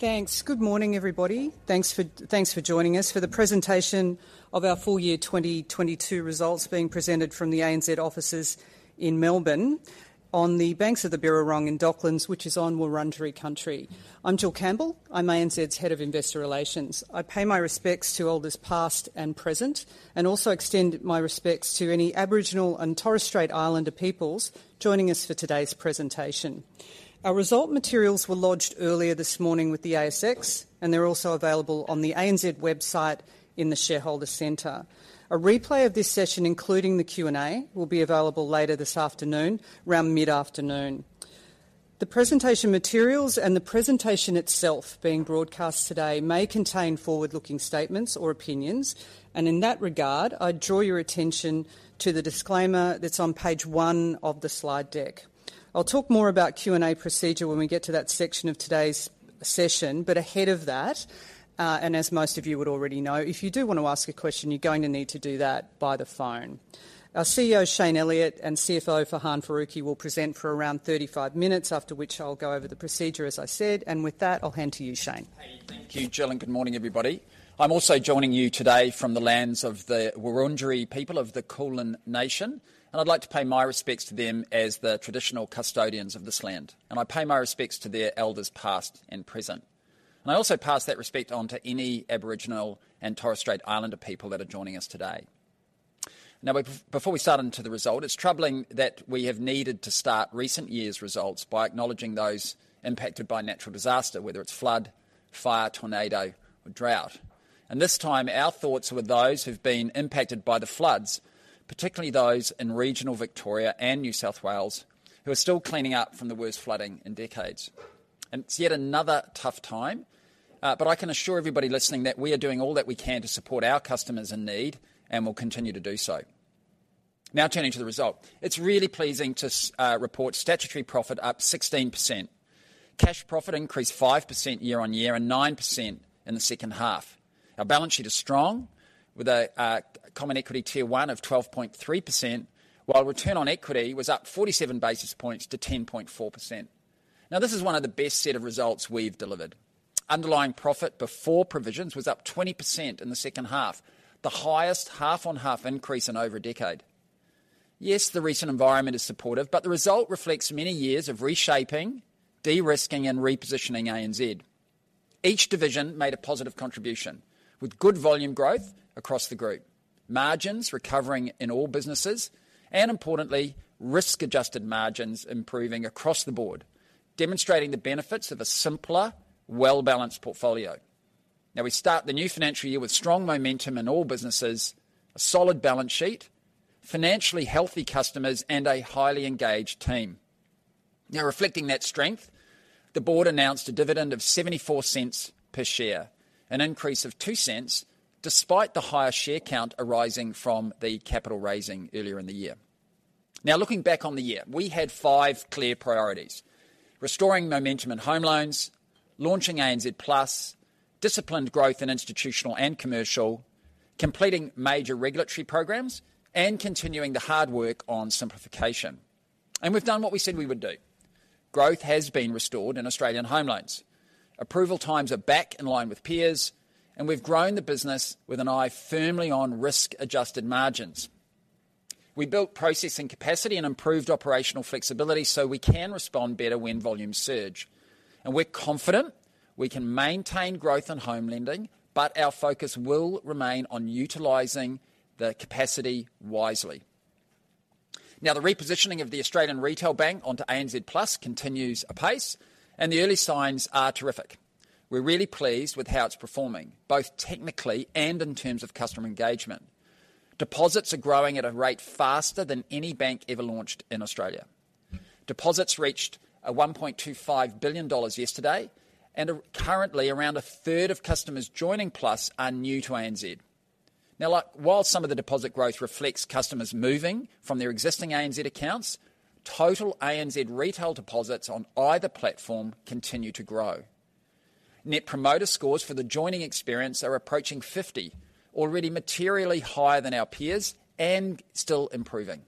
Thanks. Good morning, everybody. Thanks for joining us for the presentation of our full year 2022 results being presented from the ANZ offices in Melbourne on the banks of the Birrarung in Docklands, which is on Wurundjeri country. I'm Jill Campbell. I'm ANZ's Head of Investor Relations. I pay my respects to elders past and present, and also extend my respects to any Aboriginal and Torres Strait Islander peoples joining us for today's presentation. Our result materials were lodged earlier this morning with the ASX, and they're also available on the ANZ website in the shareholder center. A replay of this session, including the Q&A, will be available later this afternoon, around mid-afternoon. The presentation materials and the presentation itself being broadcast today may contain forward-looking statements or opinions. In that regard, I draw your attention to the disclaimer that's on page one of the slide deck. I'll talk more about Q&A procedure when we get to that section of today's session. Ahead of that, as most of you would already know, if you do want to ask a question, you're going to need to do that by phone. Our CEO, Shayne Elliott, and CFO, Farhan Faruqui, will present for around 35 minutes, after which I'll go over the procedure, as I said. With that, I'll hand to you, Shayne. Hey. Thank you, Jill, and good morning, everybody. I'm also joining you today from the lands of the Wurundjeri people of the Kulin nation, and I'd like to pay my respects to them as the traditional custodians of this land. I pay my respects to their elders, past and present. I also pass that respect on to any Aboriginal and Torres Strait Islander people that are joining us today. Now, before we start into the result, it's troubling that we have needed to start recent years' results by acknowledging those impacted by natural disaster, whether it's flood, fire, tornado or drought. This time, our thoughts were those who've been impacted by the floods, particularly those in regional Victoria and New South Wales, who are still cleaning up from the worst flooding in decades. It's yet another tough time, but I can assure everybody listening that we are doing all that we can to support our customers in need, and will continue to do so. Now, turning to the result. It's really pleasing to report statutory profit up 16%. Cash profit increased 5% year on year and 9% in the second half. Our balance sheet is strong, with a common equity tier one of 12.3%, while return on equity was up 47 basis points to 10.4%. Now, this is one of the best set of results we've delivered. Underlying profit before provisions was up 20% in the second half, the highest half-on-half increase in over a decade. Yes, the recent environment is supportive, but the result reflects many years of reshaping, de-risking and repositioning ANZ. Each division made a positive contribution, with good volume growth across the group, margins recovering in all businesses, and importantly, risk-adjusted margins improving across the board, demonstrating the benefits of a simpler, well-balanced portfolio. Now we start the new financial year with strong momentum in all businesses, a solid balance sheet, financially healthy customers and a highly engaged team. Now, reflecting that strength, the board announced a dividend of 0.74 per share, an increase of 0.02 despite the higher share count arising from the capital raising earlier in the year. Now, looking back on the year, we had five clear priorities. Restoring momentum in home loans, launching ANZ Plus, disciplined growth in institutional and commercial, completing major regulatory programs, and continuing the hard work on simplification. We've done what we said we would do. Growth has been restored in Australian home loans. Approval times are back in line with peers, and we've grown the business with an eye firmly on risk-adjusted margins. We built processing capacity and improved operational flexibility so we can respond better when volumes surge. We're confident we can maintain growth in home lending, but our focus will remain on utilizing the capacity wisely. Now, the repositioning of the Australian Retail Bank onto ANZ Plus continues apace, and the early signs are terrific. We're really pleased with how it's performing, both technically and in terms of customer engagement. Deposits are growing at a rate faster than any bank ever launched in Australia. Deposits reached 1.25 billion dollars yesterday, and are currently around a third of customers joining Plus are new to ANZ. Now, like, while some of the deposit growth reflects customers moving from their existing ANZ accounts, total ANZ retail deposits on either platform continue to grow. Net promoter scores for the joining experience are approaching 50, already materially higher than our peers and still improving.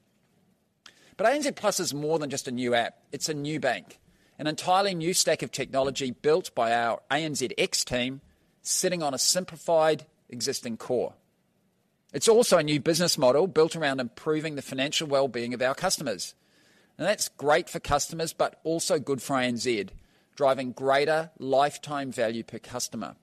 ANZ Plus is more than just a new app. It's a new bank, an entirely new stack of technology built by our ANZ X team, sitting on a simplified existing core. It's also a new business model built around improving the financial well-being of our customers. Now, that's great for customers, but also good for ANZ, driving greater lifetime value per customer.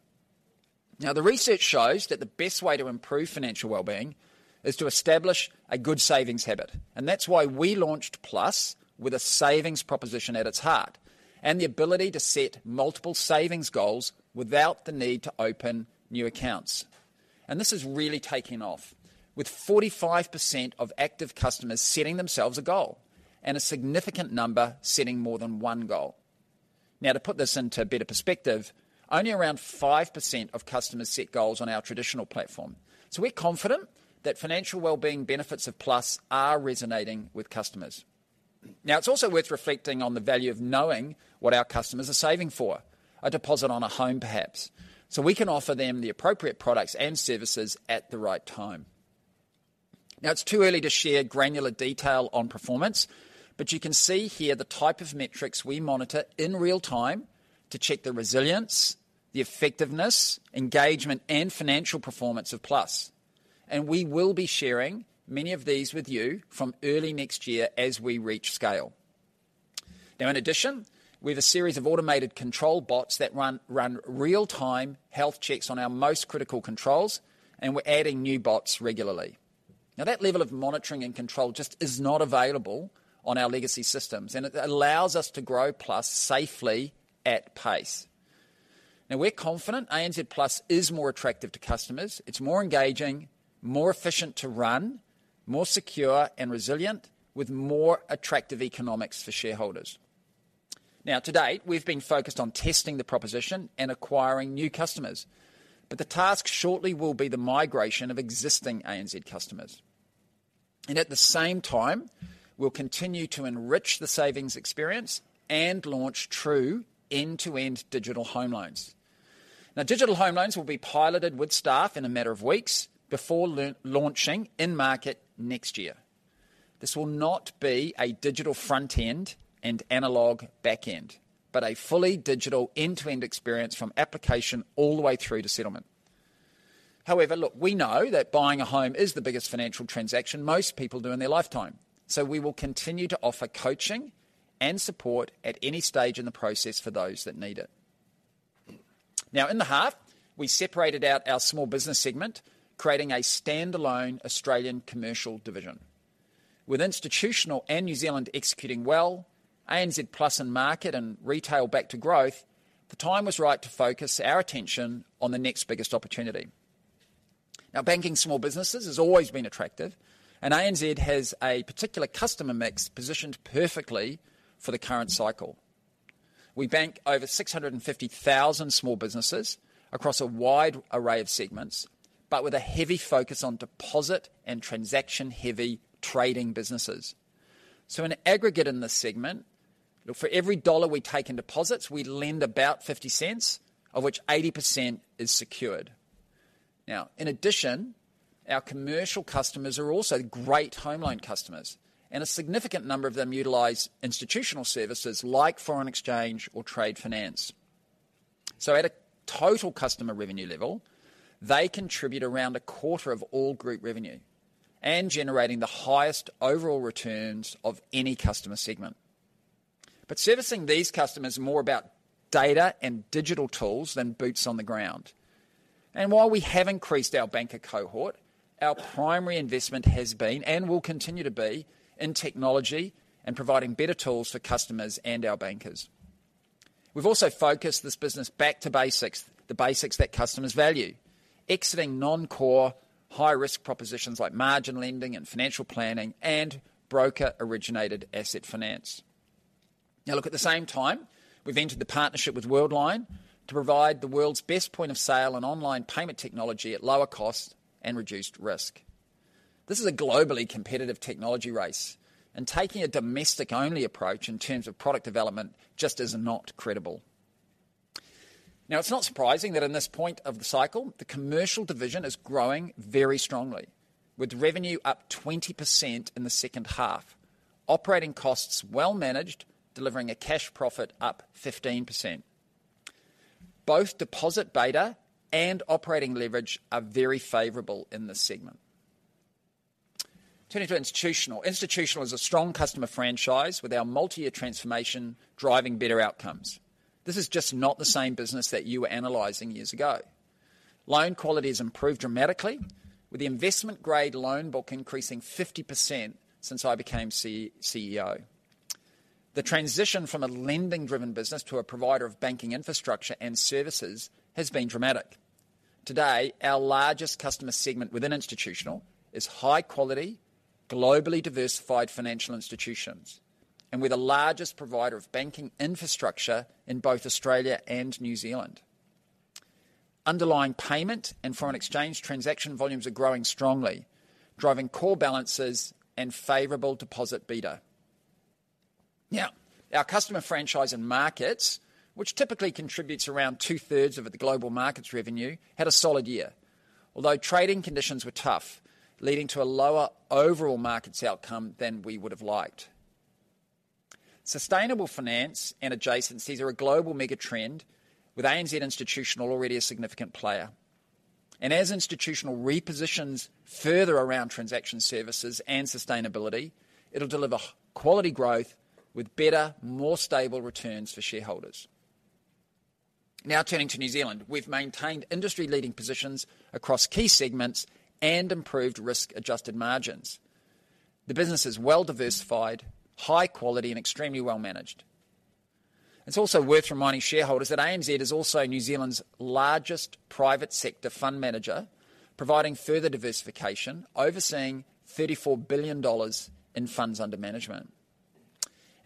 Now, the research shows that the best way to improve financial well-being is to establish a good savings habit. That's why we launched Plus with a savings proposition at its heart and the ability to set multiple savings goals without the need to open new accounts. This is really taking off, with 45% of active customers setting themselves a goal, and a significant number setting more than one goal. Now, to put this into better perspective, only around 5% of customers set goals on our traditional platform. We're confident that financial well-being benefits of Plus are resonating with customers. Now, it's also worth reflecting on the value of knowing what our customers are saving for. A deposit on a home, perhaps. We can offer them the appropriate products and services at the right time. Now, it's too early to share granular detail on performance, but you can see here the type of metrics we monitor in real time to check the resilience, the effectiveness, engagement, and financial performance of Plus. We will be sharing many of these with you from early next year as we reach scale. Now, in addition, we have a series of automated control bots that run real-time health checks on our most critical controls, and we're adding new bots regularly. Now, that level of monitoring and control just is not available on our legacy systems, and it allows us to grow Plus safely at pace. Now, we're confident ANZ Plus is more attractive to customers. It's more engaging, more efficient to run, more secure and resilient, with more attractive economics for shareholders. Now, to date, we've been focused on testing the proposition and acquiring new customers, but the task shortly will be the migration of existing ANZ customers. At the same time, we'll continue to enrich the savings experience and launch true end-to-end digital home loans. Now, digital home loans will be piloted with staff in a matter of weeks before launching in market next year. This will not be a digital front end and analog back end, but a fully digital end-to-end experience from application all the way through to settlement. However, look, we know that buying a home is the biggest financial transaction most people do in their lifetime. We will continue to offer coaching and support at any stage in the process for those that need it. Now, in the half, we separated out our small business segment, creating a standalone Australian commercial division. With Institutional and New Zealand executing well, ANZ Plus in market and Retail back to growth, the time was right to focus our attention on the next biggest opportunity. Now, banking small businesses has always been attractive, and ANZ has a particular customer mix positioned perfectly for the current cycle. We bank over 650,000 small businesses across a wide array of segments, but with a heavy focus on deposit and transaction-heavy trading businesses. In aggregate in this segment, look, for every AUD 1 we take in deposits, we lend about 0.50, of which 80% is secured. Now, in addition, our commercial customers are also great home loan customers, and a significant number of them utilize institutional services like foreign exchange or trade finance. At a total customer revenue level, they contribute around a quarter of all group revenue and generating the highest overall returns of any customer segment. Servicing these customers is more about data and digital tools than boots on the ground. While we have increased our banker cohort, our primary investment has been, and will continue to be, in technology and providing better tools for customers and our bankers. We've also focused this business back to basics, the basics that customers value. Exiting non-core high-risk propositions like margin lending and financial planning and broker-originated asset finance. Now look, at the same time, we've entered the partnership with Worldline to provide the world's best point-of-sale and online payment technology at lower cost and reduced risk. This is a globally competitive technology race, and taking a domestic-only approach in terms of product development just is not credible. Now, it's not surprising that in this point of the cycle, the commercial division is growing very strongly. With revenue up 20% in the second half, operating costs well managed, delivering a cash profit up 15%. Both deposit beta and operating leverage are very favorable in this segment. Turning to Institutional. Institutional is a strong customer franchise with our multi-year transformation driving better outcomes. This is just not the same business that you were analyzing years ago. Loan quality has improved dramatically, with the investment-grade loan book increasing 50% since I became CEO. The transition from a lending-driven business to a provider of banking infrastructure and services has been dramatic. Today, our largest customer segment within Institutional is high-quality, globally diversified financial institutions, and we're the largest provider of banking infrastructure in both Australia and New Zealand. Underlying payment and foreign exchange transaction volumes are growing strongly, driving core balances and favorable deposit beta. Now, our customer franchise in Markets, which typically contributes around 2/3 of the Global Markets revenue, had a solid year. Although trading conditions were tough, leading to a lower overall markets outcome than we would have liked. Sustainable finance and adjacencies are a global mega trend, with ANZ Institutional already a significant player. As Institutional repositions further around transaction services and sustainability, it'll deliver quality growth with better, more stable returns for shareholders. Now turning to New Zealand. We've maintained industry-leading positions across key segments and improved risk-adjusted margins. The business is well-diversified, high quality, and extremely well managed. It's also worth reminding shareholders that ANZ is also New Zealand's largest private sector fund manager, providing further diversification, overseeing 34 billion dollars in funds under management.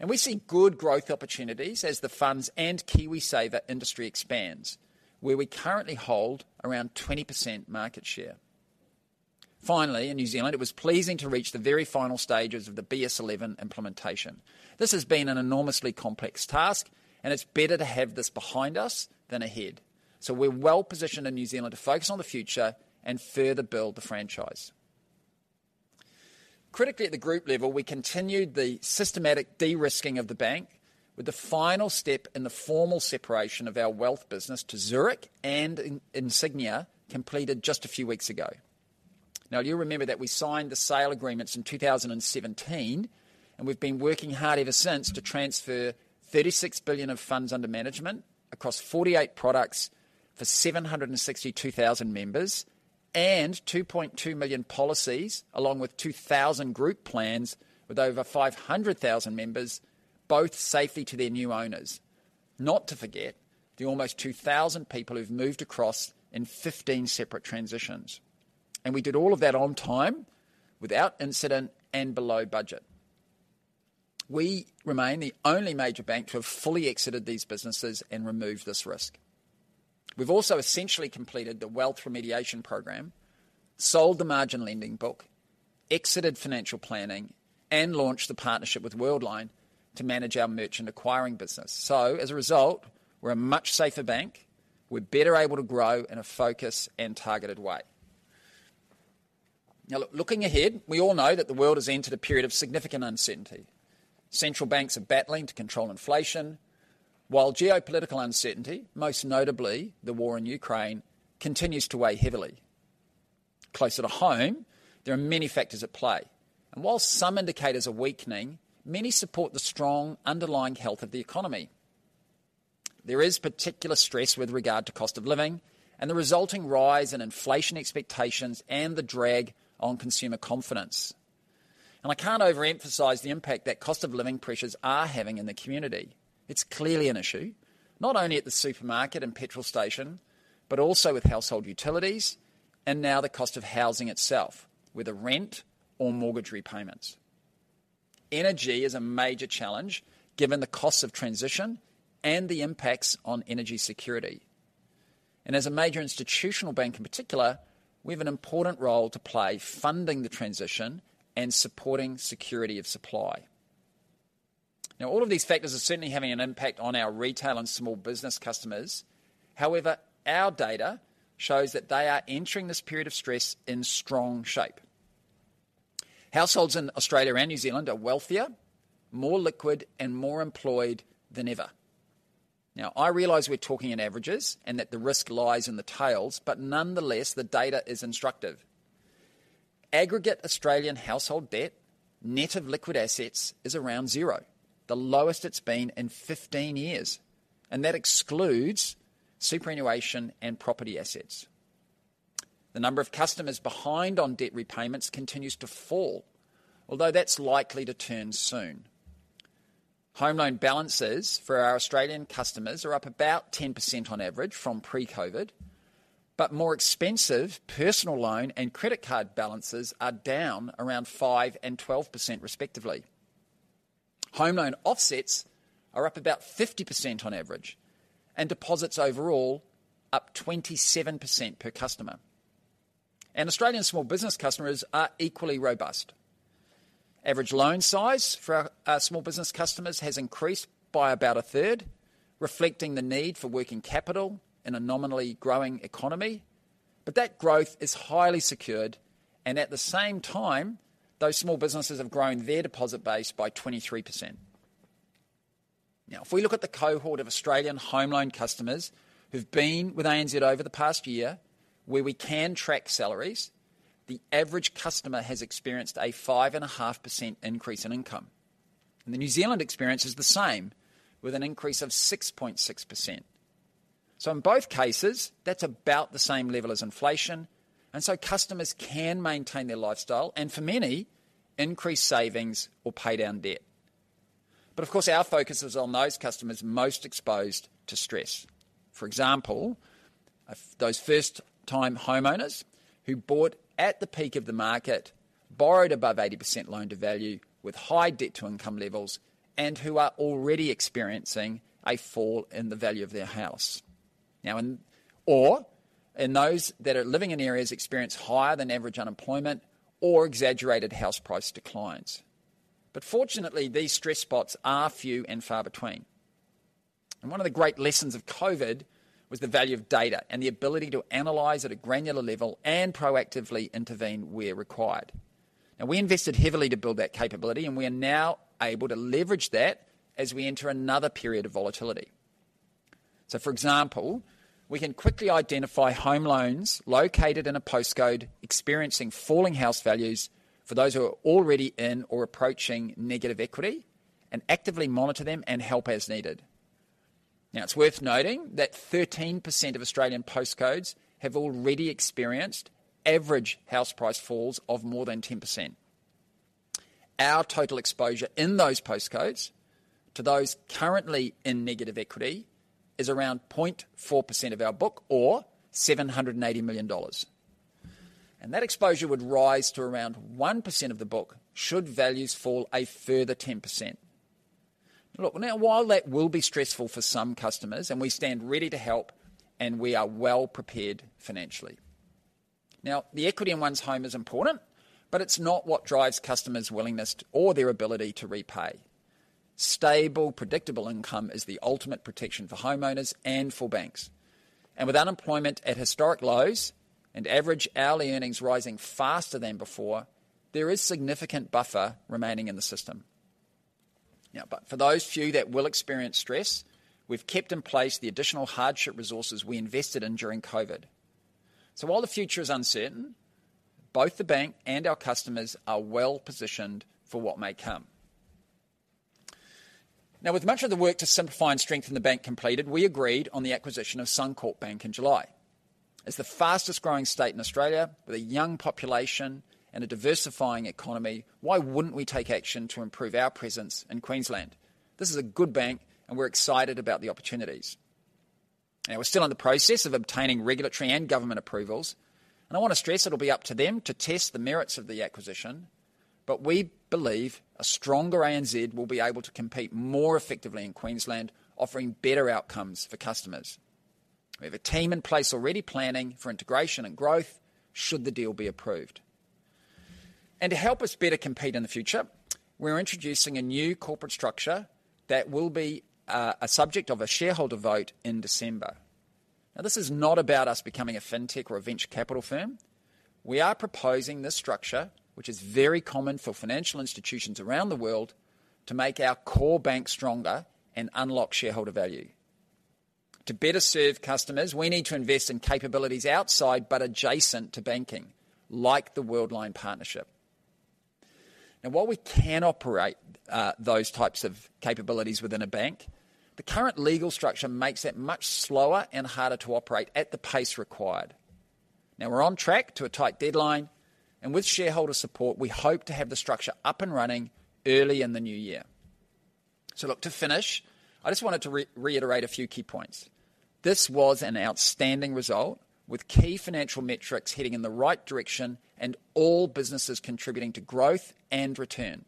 We see good growth opportunities as the funds and KiwiSaver industry expands, where we currently hold around 20% market share. Finally, in New Zealand, it was pleasing to reach the very final stages of the BS11 implementation. This has been an enormously complex task, and it's better to have this behind us than ahead. We're well positioned in New Zealand to focus on the future and further build the franchise. Critically at the group level, we continued the systematic de-risking of the bank with the final step in the formal separation of our wealth business to Zurich and Insignia completed just a few weeks ago. You'll remember that we signed the sale agreements in 2017, and we've been working hard ever since to transfer 36 billion of funds under management across 48 products for 762,000 members and 2.2 million policies, along with 2,000 group plans, with over 500,000 members, both safely to their new owners. Not to forget the almost 2,000 people who've moved across in 15 separate transitions. We did all of that on time, without incident, and below budget. We remain the only major bank to have fully exited these businesses and removed this risk. We've also essentially completed the wealth remediation program, sold the margin lending book, exited financial planning, and launched the partnership with Worldline to manage our merchant acquiring business. As a result, we're a much safer bank. We're better able to grow in a focused and targeted way. Now, look, looking ahead, we all know that the world has entered a period of significant uncertainty. Central banks are battling to control inflation, while geopolitical uncertainty, most notably the war in Ukraine, continues to weigh heavily. Closer to home, there are many factors at play, and while some indicators are weakening, many support the strong underlying health of the economy. There is particular stress with regard to cost of living and the resulting rise in inflation expectations and the drag on consumer confidence. I can't overemphasize the impact that cost of living pressures are having in the community. It's clearly an issue, not only at the supermarket and gas station, but also with household utilities and now the cost of housing itself, whether rent or mortgage repayments. Energy is a major challenge given the costs of transition and the impacts on energy security. As a major institutional bank in particular, we have an important role to play funding the transition and supporting security of supply. Now, all of these factors are certainly having an impact on our retail and small business customers. However, our data shows that they are entering this period of stress in strong shape. Households in Australia and New Zealand are wealthier, more liquid, and more employed than ever. Now, I realize we're talking in averages and that the risk lies in the tails, but nonetheless, the data is instructive. Aggregate Australian household debt, net of liquid assets, is around zero, the lowest it's been in 15 years, and that excludes superannuation and property assets. The number of customers behind on debt repayments continues to fall, although that's likely to turn soon. Home loan balances for our Australian customers are up about 10% on average from pre-COVID, but more expensive personal loan and credit card balances are down around 5% and 12% respectively. Home loan offsets are up about 50% on average, and deposits overall up 27% per customer. Australian small business customers are equally robust. Average loan size for our small business customers has increased by about a third, reflecting the need for working capital in a nominally growing economy. That growth is highly secured, and at the same time, those small businesses have grown their deposit base by 23%. Now, if we look at the cohort of Australian home loan customers who've been with ANZ over the past year, where we can track salaries, the average customer has experienced a 5.5% increase in income. The New Zealand experience is the same, with an increase of 6.6%. In both cases, that's about the same level as inflation, and customers can maintain their lifestyle and, for many, increase savings or pay down debt. Of course, our focus is on those customers most exposed to stress. For example, those first-time homeowners who bought at the peak of the market, borrowed above 80% loan-to-value with high debt-to-income levels, and who are already experiencing a fall in the value of their house. In those that are living in areas experiencing higher than average unemployment or exaggerated house price declines. Fortunately, these stress spots are few and far between. One of the great lessons of COVID was the value of data and the ability to analyze at a granular level and proactively intervene where required. Now, we invested heavily to build that capability, and we are now able to leverage that as we enter another period of volatility. For example, we can quickly identify home loans located in a postcode experiencing falling house values for those who are already in or approaching negative equity and actively monitor them and help as needed. Now, it's worth noting that 13% of Australian postcodes have already experienced average house price falls of more than 10%. Our total exposure in those postcodes to those currently in negative equity is around 0.4% of our book or 780 million dollars. That exposure would rise to around 1% of the book should values fall a further 10%. Look, now, while that will be stressful for some customers, and we stand ready to help, and we are well prepared financially. Now, the equity in one's home is important, but it's not what drives customers' willingness or their ability to repay. Stable, predictable income is the ultimate protection for homeowners and for banks. With unemployment at historic lows and average hourly earnings rising faster than before, there is significant buffer remaining in the system. Now, for those few that will experience stress, we've kept in place the additional hardship resources we invested in during COVID. While the future is uncertain, both the bank and our customers are well-positioned for what may come. Now, with much of the work to simplify and strengthen the bank completed, we agreed on the acquisition of Suncorp Bank in July. As the fastest-growing state in Australia with a young population and a diversifying economy, why wouldn't we take action to improve our presence in Queensland? This is a good bank, and we're excited about the opportunities. Now, we're still in the process of obtaining regulatory and government approvals, and I want to stress it'll be up to them to test the merits of the acquisition. But we believe a stronger ANZ will be able to compete more effectively in Queensland, offering better outcomes for customers. We have a team in place already planning for integration and growth should the deal be approved. To help us better compete in the future, we're introducing a new corporate structure that will be a subject of a shareholder vote in December. Now, this is not about us becoming a fintech or a venture capital firm. We are proposing this structure, which is very common for financial institutions around the world, to make our core bank stronger and unlock shareholder value. To better serve customers, we need to invest in capabilities outside but adjacent to banking, like the Worldline partnership. Now, while we can operate those types of capabilities within a bank, the current legal structure makes that much slower and harder to operate at the pace required. Now, we're on track to a tight deadline, and with shareholder support, we hope to have the structure up and running early in the new year. Look, to finish, I just wanted to reiterate a few key points. This was an outstanding result with key financial metrics heading in the right direction and all businesses contributing to growth and return.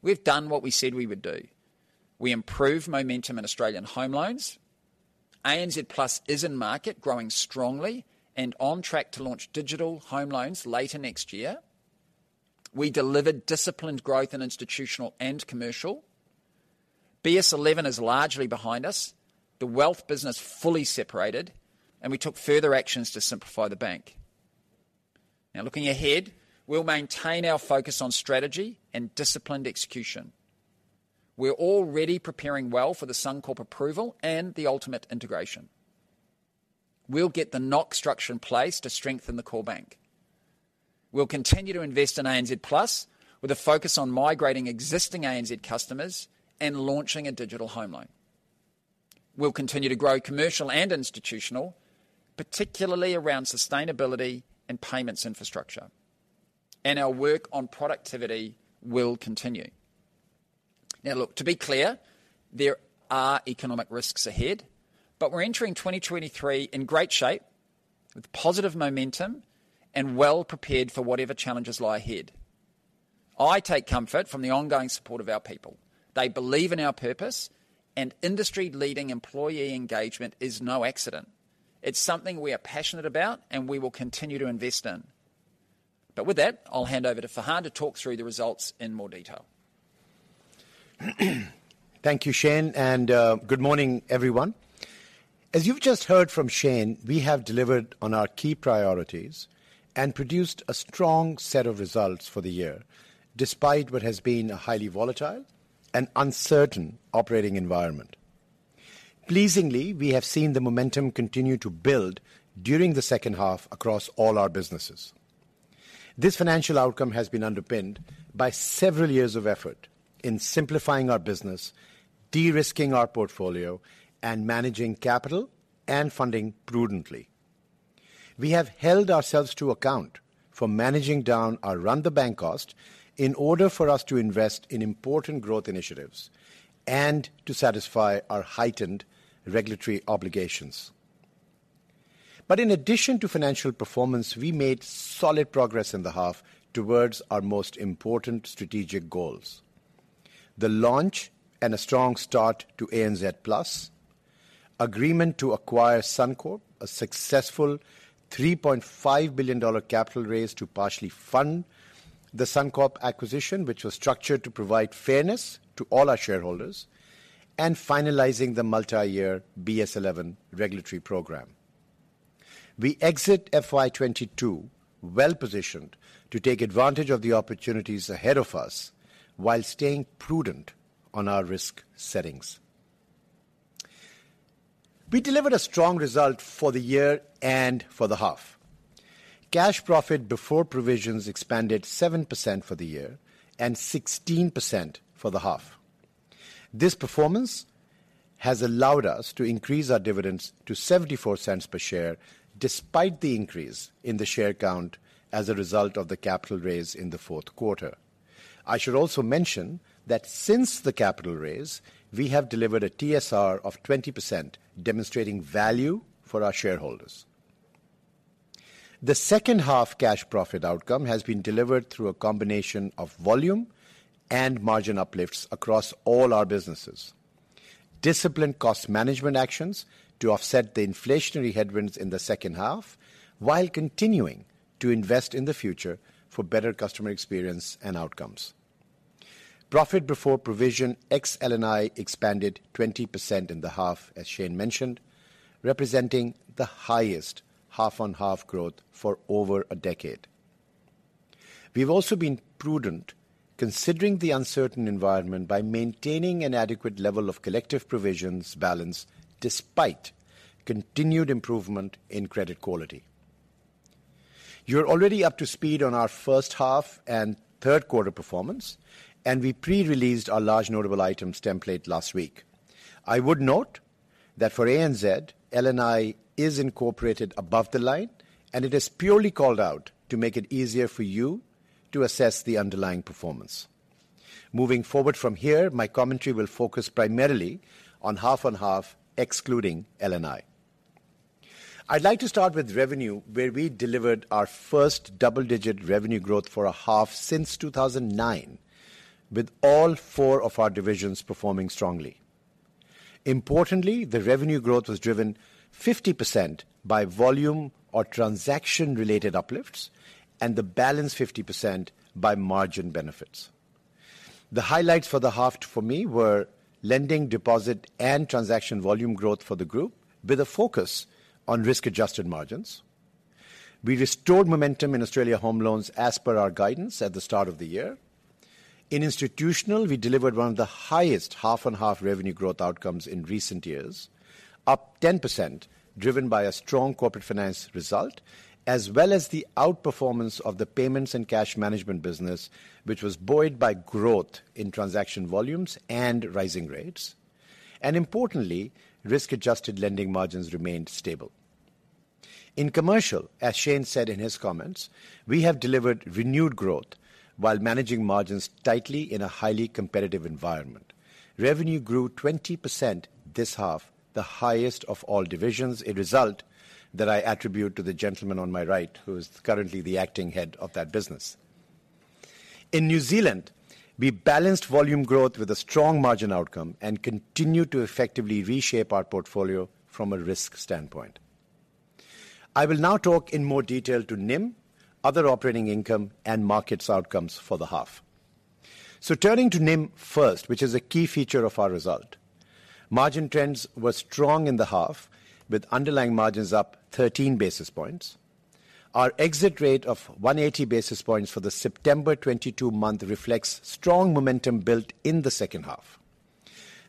We've done what we said we would do. We improved momentum in Australian home loans. ANZ Plus is in market, growing strongly and on track to launch digital home loans later next year. We delivered disciplined growth in Institutional and Commercial. BS11 is largely behind us, the Wealth business fully separated, and we took further actions to simplify the bank. Now looking ahead, we'll maintain our focus on strategy and disciplined execution. We're already preparing well for the Suncorp approval and the ultimate integration. We'll get the NOHC structure in place to strengthen the core bank. We'll continue to invest in ANZ Plus with a focus on migrating existing ANZ customers and launching a digital home loan. We'll continue to grow Commercial and Institutional, particularly around sustainability and payments infrastructure. Our work on productivity will continue. Now look, to be clear, there are economic risks ahead, but we're entering 2023 in great shape with positive momentum and well prepared for whatever challenges lie ahead. I take comfort from the ongoing support of our people. They believe in our purpose, and industry-leading employee engagement is no accident. It's something we are passionate about, and we will continue to invest in. With that, I'll hand over to Farhan to talk through the results in more detail. Thank you, Shayne, and good morning, everyone. As you've just heard from Shayne, we have delivered on our key priorities and produced a strong set of results for the year, despite what has been a highly volatile and uncertain operating environment. Pleasingly, we have seen the momentum continue to build during the second half across all our businesses. This financial outcome has been underpinned by several years of effort in simplifying our business, de-risking our portfolio, and managing capital and funding prudently. We have held ourselves to account for managing down our run-the-bank cost in order for us to invest in important growth initiatives and to satisfy our heightened regulatory obligations. In addition to financial performance, we made solid progress in the half towards our most important strategic goals. The launch and a strong start to ANZ Plus, agreement to acquire Suncorp, a successful 3.5 billion dollar capital raise to partially fund the Suncorp acquisition, which was structured to provide fairness to all our shareholders and finalizing the multi-year BS11 regulatory program. We exit FY 2022 well positioned to take advantage of the opportunities ahead of us while staying prudent on our risk settings. We delivered a strong result for the year and for the half. Cash profit before provisions expanded 7% for the year and 16% for the half. This performance has allowed us to increase our dividends to 0.74 per share despite the increase in the share count as a result of the capital raise in the Q4. I should also mention that since the capital raise, we have delivered a TSR of 20%, demonstrating value for our shareholders. The second-half cash profit outcome has been delivered through a combination of volume and margin uplifts across all our businesses. Disciplined cost management actions to offset the inflationary headwinds in the second half while continuing to invest in the future for better customer experience and outcomes. Profit before provision ex LNI expanded 20% in the half, as Shayne mentioned, representing the highest half-on-half growth for over a decade. We've also been prudent, considering the uncertain environment, by maintaining an adequate level of collective provisions balance despite continued improvement in credit quality. You're already up to speed on our first half and Q3 performance, and we pre-released our large notable items template last week. I would note that for ANZ, LNI is incorporated above the line, and it is purely called out to make it easier for you to assess the underlying performance. Moving forward from here, my commentary will focus primarily on half-on-half, excluding LNI. I'd like to start with revenue, where we delivered our first double-digit revenue growth for a half since 2009, with all four of our divisions performing strongly. Importantly, the revenue growth was driven 50% by volume or transaction-related uplifts and the balance 50% by margin benefits. The highlights for the half for me were lending, deposit, and transaction volume growth for the group, with a focus on risk-adjusted margins. We restored momentum in Australia Home Loans as per our guidance at the start of the year. In Institutional, we delivered one of the highest half-on-half revenue growth outcomes in recent years, up 10%, driven by a strong corporate finance result, as well as the outperformance of the payments and cash management business, which was buoyed by growth in transaction volumes and rising rates. Importantly, risk-adjusted lending margins remained stable. In Commercial, as Shayne said in his comments, we have delivered renewed growth while managing margins tightly in a highly competitive environment. Revenue grew 20% this half, the highest of all divisions, a result that I attribute to the gentleman on my right, who is currently the acting head of that business. In New Zealand, we balanced volume growth with a strong margin outcome and continued to effectively reshape our portfolio from a risk standpoint. I will now talk in more detail to NIM, other operating income, and markets outcomes for the half. Turning to NIM first, which is a key feature of our result. Margin trends were strong in the half, with underlying margins up 13 basis points. Our exit rate of 180 basis points for the September 2022 month reflects strong momentum built in the second half.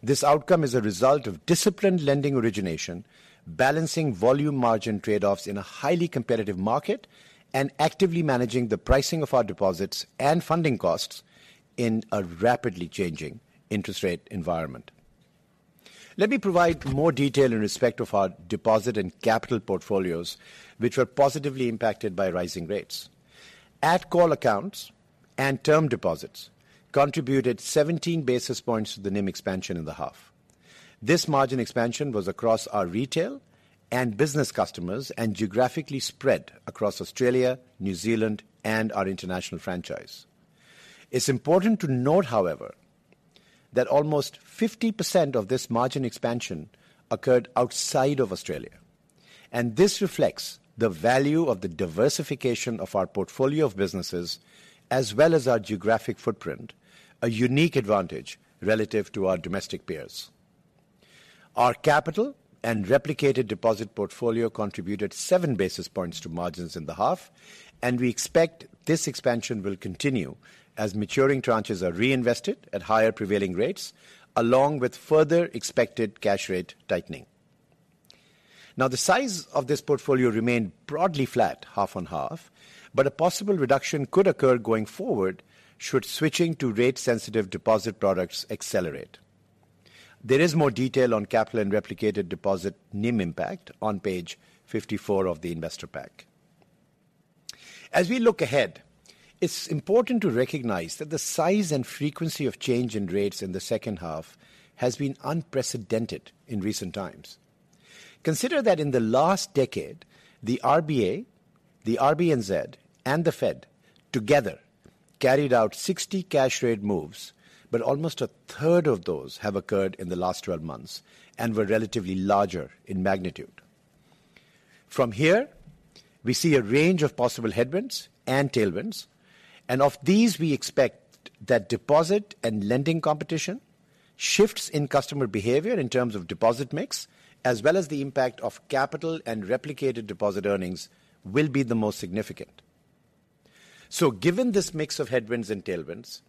This outcome is a result of disciplined lending origination, balancing volume margin trade-offs in a highly competitive market, and actively managing the pricing of our deposits and funding costs in a rapidly changing interest rate environment. Let me provide more detail in respect of our deposit and capital portfolios, which were positively impacted by rising rates. At call accounts and term deposits contributed 17 basis points to the NIM expansion in the half. This margin expansion was across our retail and business customers and geographically spread across Australia, New Zealand, and our international franchise. It's important to note, however, that almost 50% of this margin expansion occurred outside of Australia, and this reflects the value of the diversification of our portfolio of businesses as well as our geographic footprint, a unique advantage relative to our domestic peers. Our capital and replicated deposit portfolio contributed 7 basis points to margins in the half, and we expect this expansion will continue as maturing tranches are reinvested at higher prevailing rates, along with further expected cash rate tightening. Now, the size of this portfolio remained broadly flat half-on-half, but a possible reduction could occur going forward should switching to rate-sensitive deposit products accelerate. There is more detail on capital and replicated deposit NIM impact on page 54 of the investor pack. As we look ahead, it's important to recognize that the size and frequency of change in rates in the second half has been unprecedented in recent times. Consider that in the last decade, the RBA, the RBNZ, and the Fed together carried out 60 cash rate moves, but almost a third of those have occurred in the last 12 months and were relatively larger in magnitude. From here, we see a range of possible headwinds and tailwinds, and of these, we expect that deposit and lending competition, shifts in customer behavior in terms of deposit mix, as well as the impact of capital and replicated deposit earnings will be the most significant. Given this mix of headwinds and tailwinds,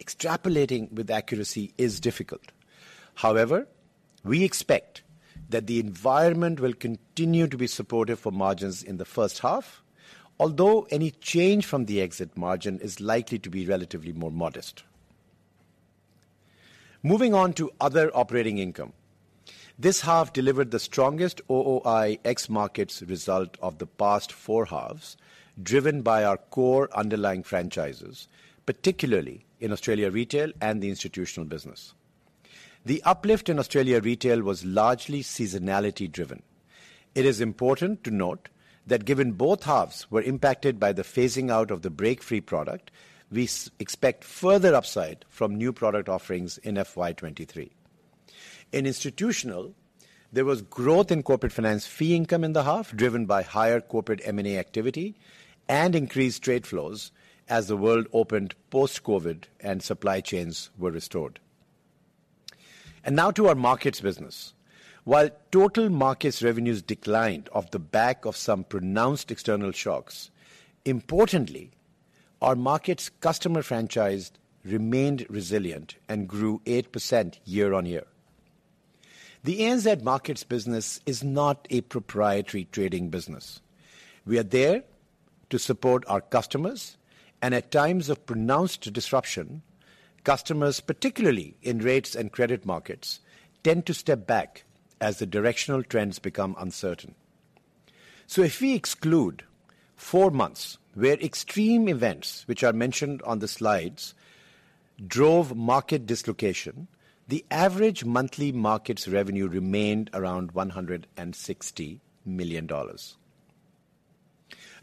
extrapolating with accuracy is difficult. However, we expect that the environment will continue to be supportive for margins in the first half, although any change from the exit margin is likely to be relatively more modest. Moving on to other operating income. This half delivered the strongest OOI ex markets result of the past four halves, driven by our core underlying franchises, particularly in Australia Retail and the Institutional business. The uplift in Australia Retail was largely seasonality driven. It is important to note that given both halves were impacted by the phasing out of the BreakFree product, we expect further upside from new product offerings in FY 2023. In Institutional, there was growth in corporate finance fee income in the half, driven by higher corporate M&A activity and increased trade flows as the world opened post-COVID and supply chains were restored. Now to our markets business. While total markets revenues declined off the back of some pronounced external shocks, importantly, our markets customer franchise remained resilient and grew 8% year-on-year. The ANZ markets business is not a proprietary trading business. We are there to support our customers and at times of pronounced disruption, customers, particularly in rates and credit markets, tend to step back as the directional trends become uncertain. If we exclude four months where extreme events, which are mentioned on the slides, drove market dislocation, the average monthly markets revenue remained around 160 million dollars.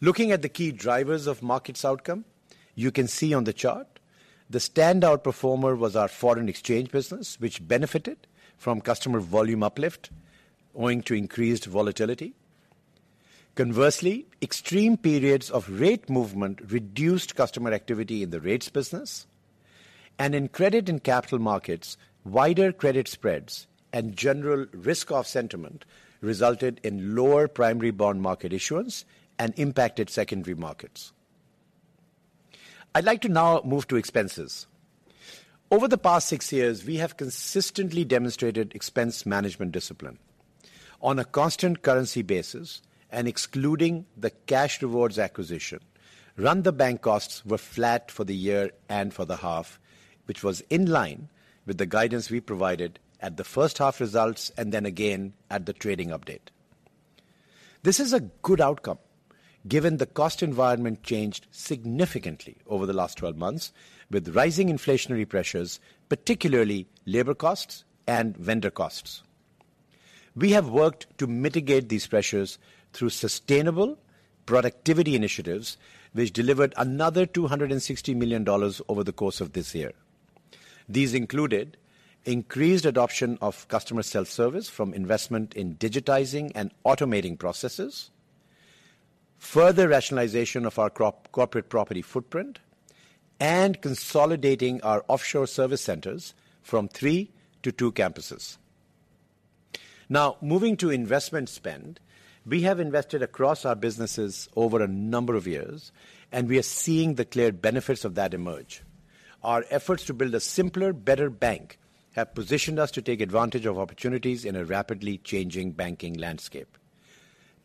Looking at the key drivers of markets outcome, you can see on the chart the standout performer was our foreign exchange business, which benefited from customer volume uplift owing to increased volatility. Conversely, extreme periods of rate movement reduced customer activity in the rates business. In credit and capital markets, wider credit spreads and general risk-off sentiment resulted in lower primary bond market issuance and impacted secondary markets. I'd like to now move to expenses. Over the past six years, we have consistently demonstrated expense management discipline. On a constant currency basis, and excluding the CashRewards acquisition, run the bank costs were flat for the year and for the half, which was in line with the guidance we provided at the first half results and then again at the trading update. This is a good outcome given the cost environment changed significantly over the last 12 months with rising inflationary pressures, particularly labor costs and vendor costs. We have worked to mitigate these pressures through sustainable productivity initiatives, which delivered another 260 million dollars over the course of this year. These included increased adoption of customer self-service from investment in digitizing and automating processes, further rationalization of our corporate property footprint, and consolidating our offshore service centers from three to two campuses. Now, moving to investment spend, we have invested across our businesses over a number of years, and we are seeing the clear benefits of that emerge. Our efforts to build a simpler, better bank have positioned us to take advantage of opportunities in a rapidly changing banking landscape.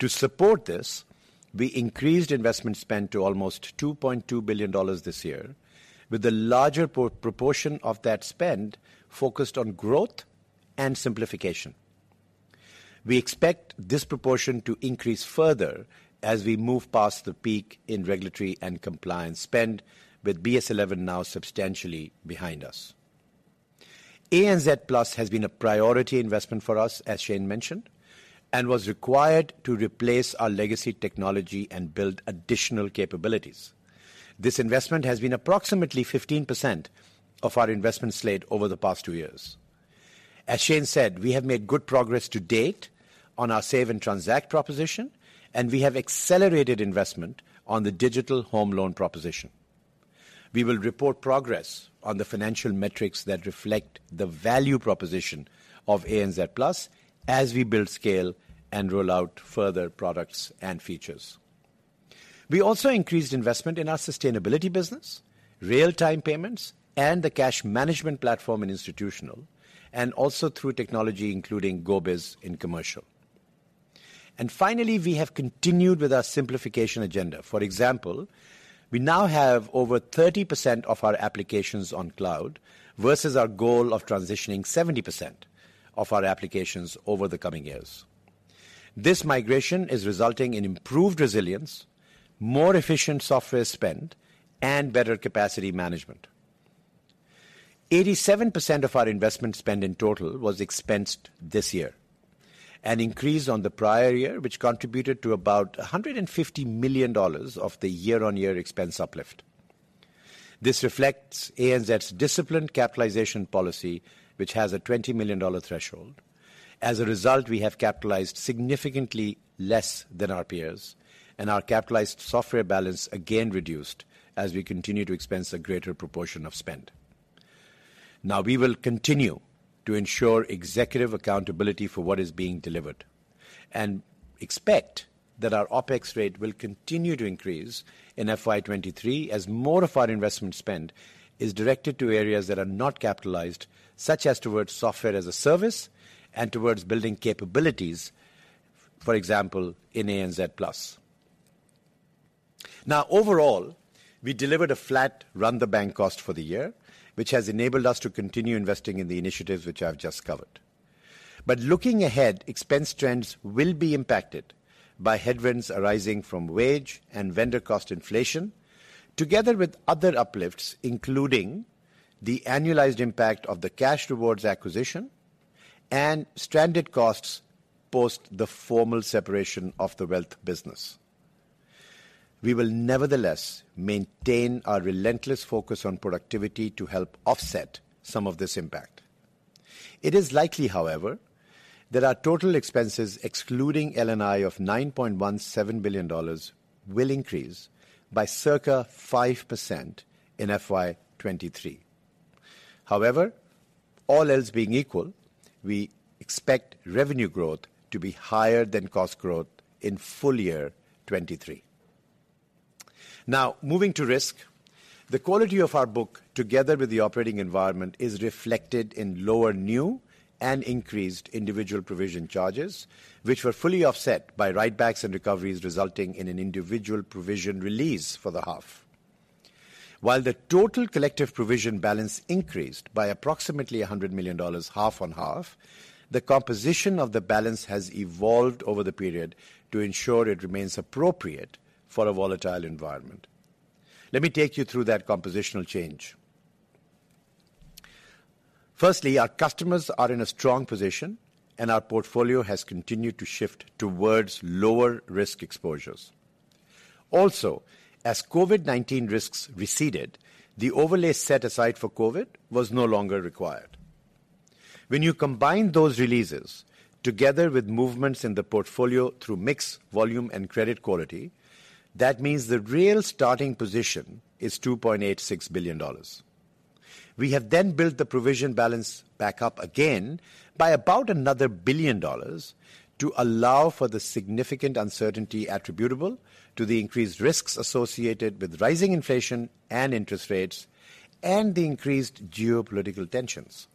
To support this, we increased investment spend to almost 2.2 billion dollars this year, with a larger proportion of that spend focused on growth and simplification. We expect this proportion to increase further as we move past the peak in regulatory and compliance spend with BS11 now substantially behind us. ANZ Plus has been a priority investment for us, as Shayne mentioned, and was required to replace our legacy technology and build additional capabilities. This investment has been approximately 15% of our investment slate over the past two years. As Shayne said, we have made good progress to date on our save and transact proposition, and we have accelerated investment on the digital home loan proposition. We will report progress on the financial metrics that reflect the value proposition of ANZ Plus as we build scale and roll out further products and features. We also increased investment in our sustainability business, real-time payments, and the cash management platform in institutional, and also through technology, including GoBiz in commercial. Finally, we have continued with our simplification agenda. For example, we now have over 30% of our applications on cloud versus our goal of transitioning 70% of our applications over the coming years. This migration is resulting in improved resilience, more efficient software spend, and better capacity management. 87% of our investment spend in total was expensed this year, an increase on the prior year, which contributed to about 150 million dollars of the year-over-year expense uplift. This reflects ANZ's disciplined capitalization policy, which has a 20 million dollar threshold. As a result, we have capitalized significantly less than our peers, and our capitalized software balance again reduced as we continue to expense a greater proportion of spend. Now, we will continue to ensure executive accountability for what is being delivered and expect that our OpEx rate will continue to increase in FY 2023 as more of our investment spend is directed to areas that are not capitalized, such as towards software as a service and towards building capabilities, for example, in ANZ Plus. Now, overall, we delivered a flat run the bank cost for the year, which has enabled us to continue investing in the initiatives which I've just covered. Looking ahead, expense trends will be impacted by headwinds arising from wage and vendor cost inflation together with other uplifts, including the annualized impact of the CashRewards acquisition and stranded costs post the formal separation of the wealth business. We will nevertheless maintain our relentless focus on productivity to help offset some of this impact. It is likely, however, that our total expenses, excluding LNI of 9.17 billion dollars, will increase by circa 5% in FY 2023. However, all else being equal, we expect revenue growth to be higher than cost growth in full year 2023. Now, moving to risk. The quality of our book, together with the operating environment, is reflected in lower new and increased individual provision charges, which were fully offset by write-backs and recoveries resulting in an individual provision release for the half. While the total collective provision balance increased by approximately 100 million dollars half on half, the composition of the balance has evolved over the period to ensure it remains appropriate for a volatile environment. Let me take you through that compositional change. Firstly, our customers are in a strong position, and our portfolio has continued to shift towards lower risk exposures. As COVID-19 risks receded, the overlay set aside for COVID was no longer required. When you combine those releases together with movements in the portfolio through mix, volume, and credit quality, that means the real starting position is 2.86 billion dollars. We have then built the provision balance back up again by about another 1 billion dollars to allow for the significant uncertainty attributable to the increased risks associated with rising inflation and interest rates and the increased geopolitical tensions.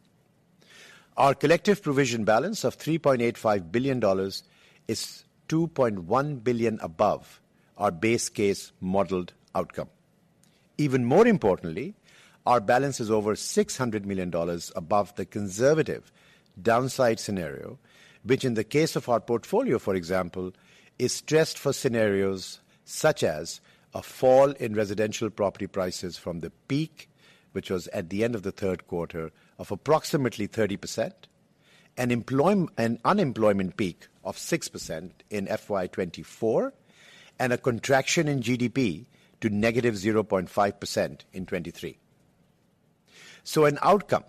Our collective provision balance of 3.85 billion dollars is 2.1 billion above our base case modeled outcome. Even more importantly, our balance is over 600 million dollars above the conservative downside scenario, which in the case of our portfolio, for example, is stressed for scenarios such as a fall in residential property prices from the peak, which was at the end of the Q3, of approximately 30%, an unemployment peak of 6% in FY 2024, and a contraction in GDP to -0.5% in 2023. An outcome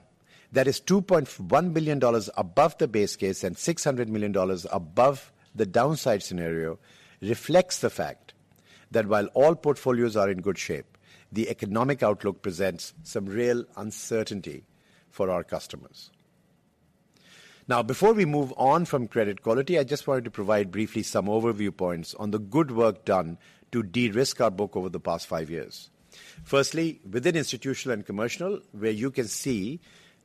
that is 2.1 billion dollars above the base case and 600 million dollars above the downside scenario reflects the fact that while all portfolios are in good shape, the economic outlook presents some real uncertainty for our customers. Now, before we move on from credit quality, I just wanted to provide briefly some overview points on the good work done to de-risk our book over the past five years. Firstly, within institutional and commercial, where you can see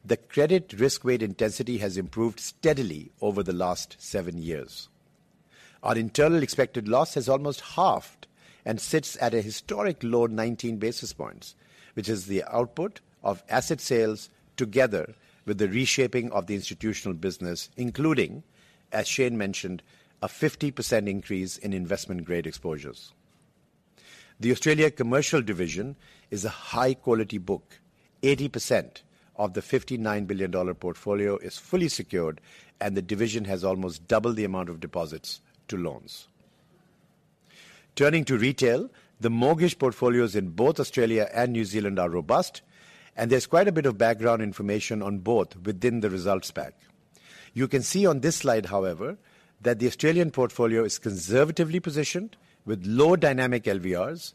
the credit risk weight intensity has improved steadily over the last seven years. Our internal expected loss has almost halved and sits at a historic low 19 basis points, which is the output of asset sales together with the reshaping of the institutional business, including, as Shayne mentioned, a 50% increase in investment-grade exposures. The Australia Commercial division is a high-quality book. 80% of the AUD 59 billion portfolio is fully secured, and the division has almost doubled the amount of deposits to loans. Turning to retail, the mortgage portfolios in both Australia and New Zealand are robust, and there's quite a bit of background information on both within the results pack. You can see on this slide, however, that the Australian portfolio is conservatively positioned with low dynamic LVRs,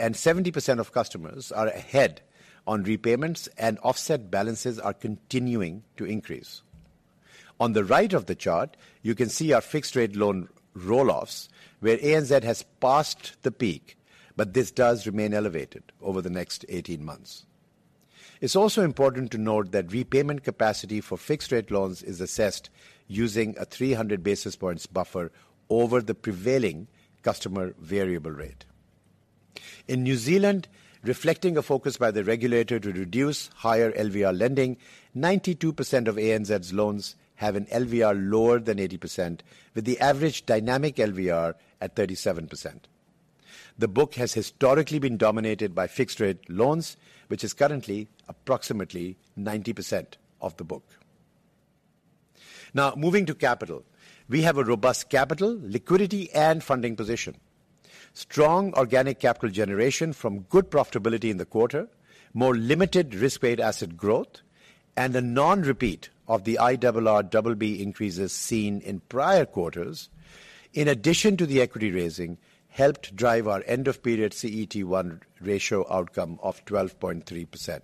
and 70% of customers are ahead on repayments, and offset balances are continuing to increase. On the right of the chart, you can see our fixed-rate loan roll-offs, where ANZ has passed the peak, but this does remain elevated over the next 18 months. It's also important to note that repayment capacity for fixed-rate loans is assessed using a 300 basis points buffer over the prevailing customer variable rate. In New Zealand, reflecting a focus by the regulator to reduce higher LVR lending, 92% of ANZ's loans have an LVR lower than 80%, with the average dynamic LVR at 37%. The book has historically been dominated by fixed-rate loans, which is currently approximately 90% of the book. Now, moving to capital. We have a robust capital, liquidity, and funding position. Strong organic capital generation from good profitability in the quarter, more limited risk-weighted asset growth, and a non-repeat of the IRRBB increases seen in prior quarters, in addition to the equity raising, helped drive our end-of-period CET1 ratio outcome of 12.3%.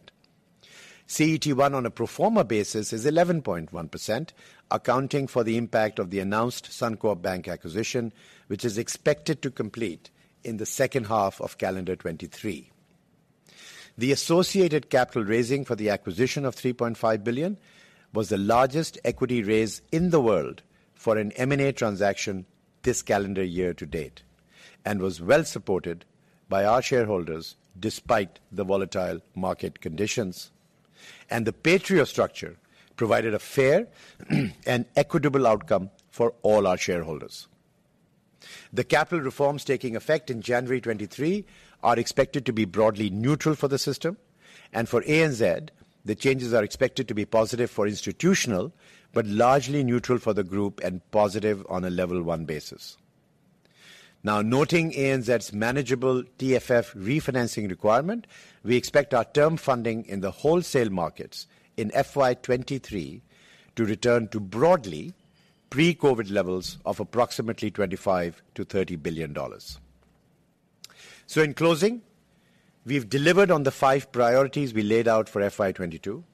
CET1 on a pro forma basis is 11.1%, accounting for the impact of the announced Suncorp Bank acquisition, which is expected to complete in the second half of calendar 2023. The associated capital raising for the acquisition of 3.5 billion was the largest equity raise in the world for an M&A transaction this calendar year to date, and was well supported by our shareholders despite the volatile market conditions. The Patriot structure provided a fair and equitable outcome for all our shareholders. The capital reforms taking effect in January 2023 are expected to be broadly neutral for the system. For ANZ, the changes are expected to be positive for Institutional, but largely neutral for the Group and positive on a level one basis. Now noting ANZ's manageable TFF refinancing requirement, we expect our term funding in the wholesale markets in FY 2023 to return to broadly pre-COVID levels of approximately 25 billion-30 billion dollars. In closing, we've delivered on the five priorities we laid out for FY 2022.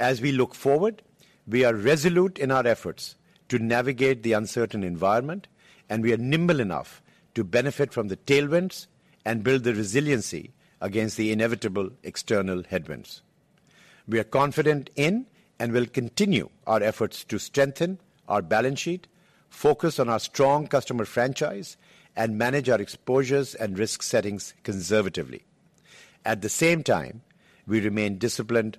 As we look forward, we are resolute in our efforts to navigate the uncertain environment, and we are nimble enough to benefit from the tailwinds and build the resiliency against the inevitable external headwinds. We are confident in and will continue our efforts to strengthen our balance sheet, focus on our strong customer franchise, and manage our exposures and risk settings conservatively. At the same time, we remain disciplined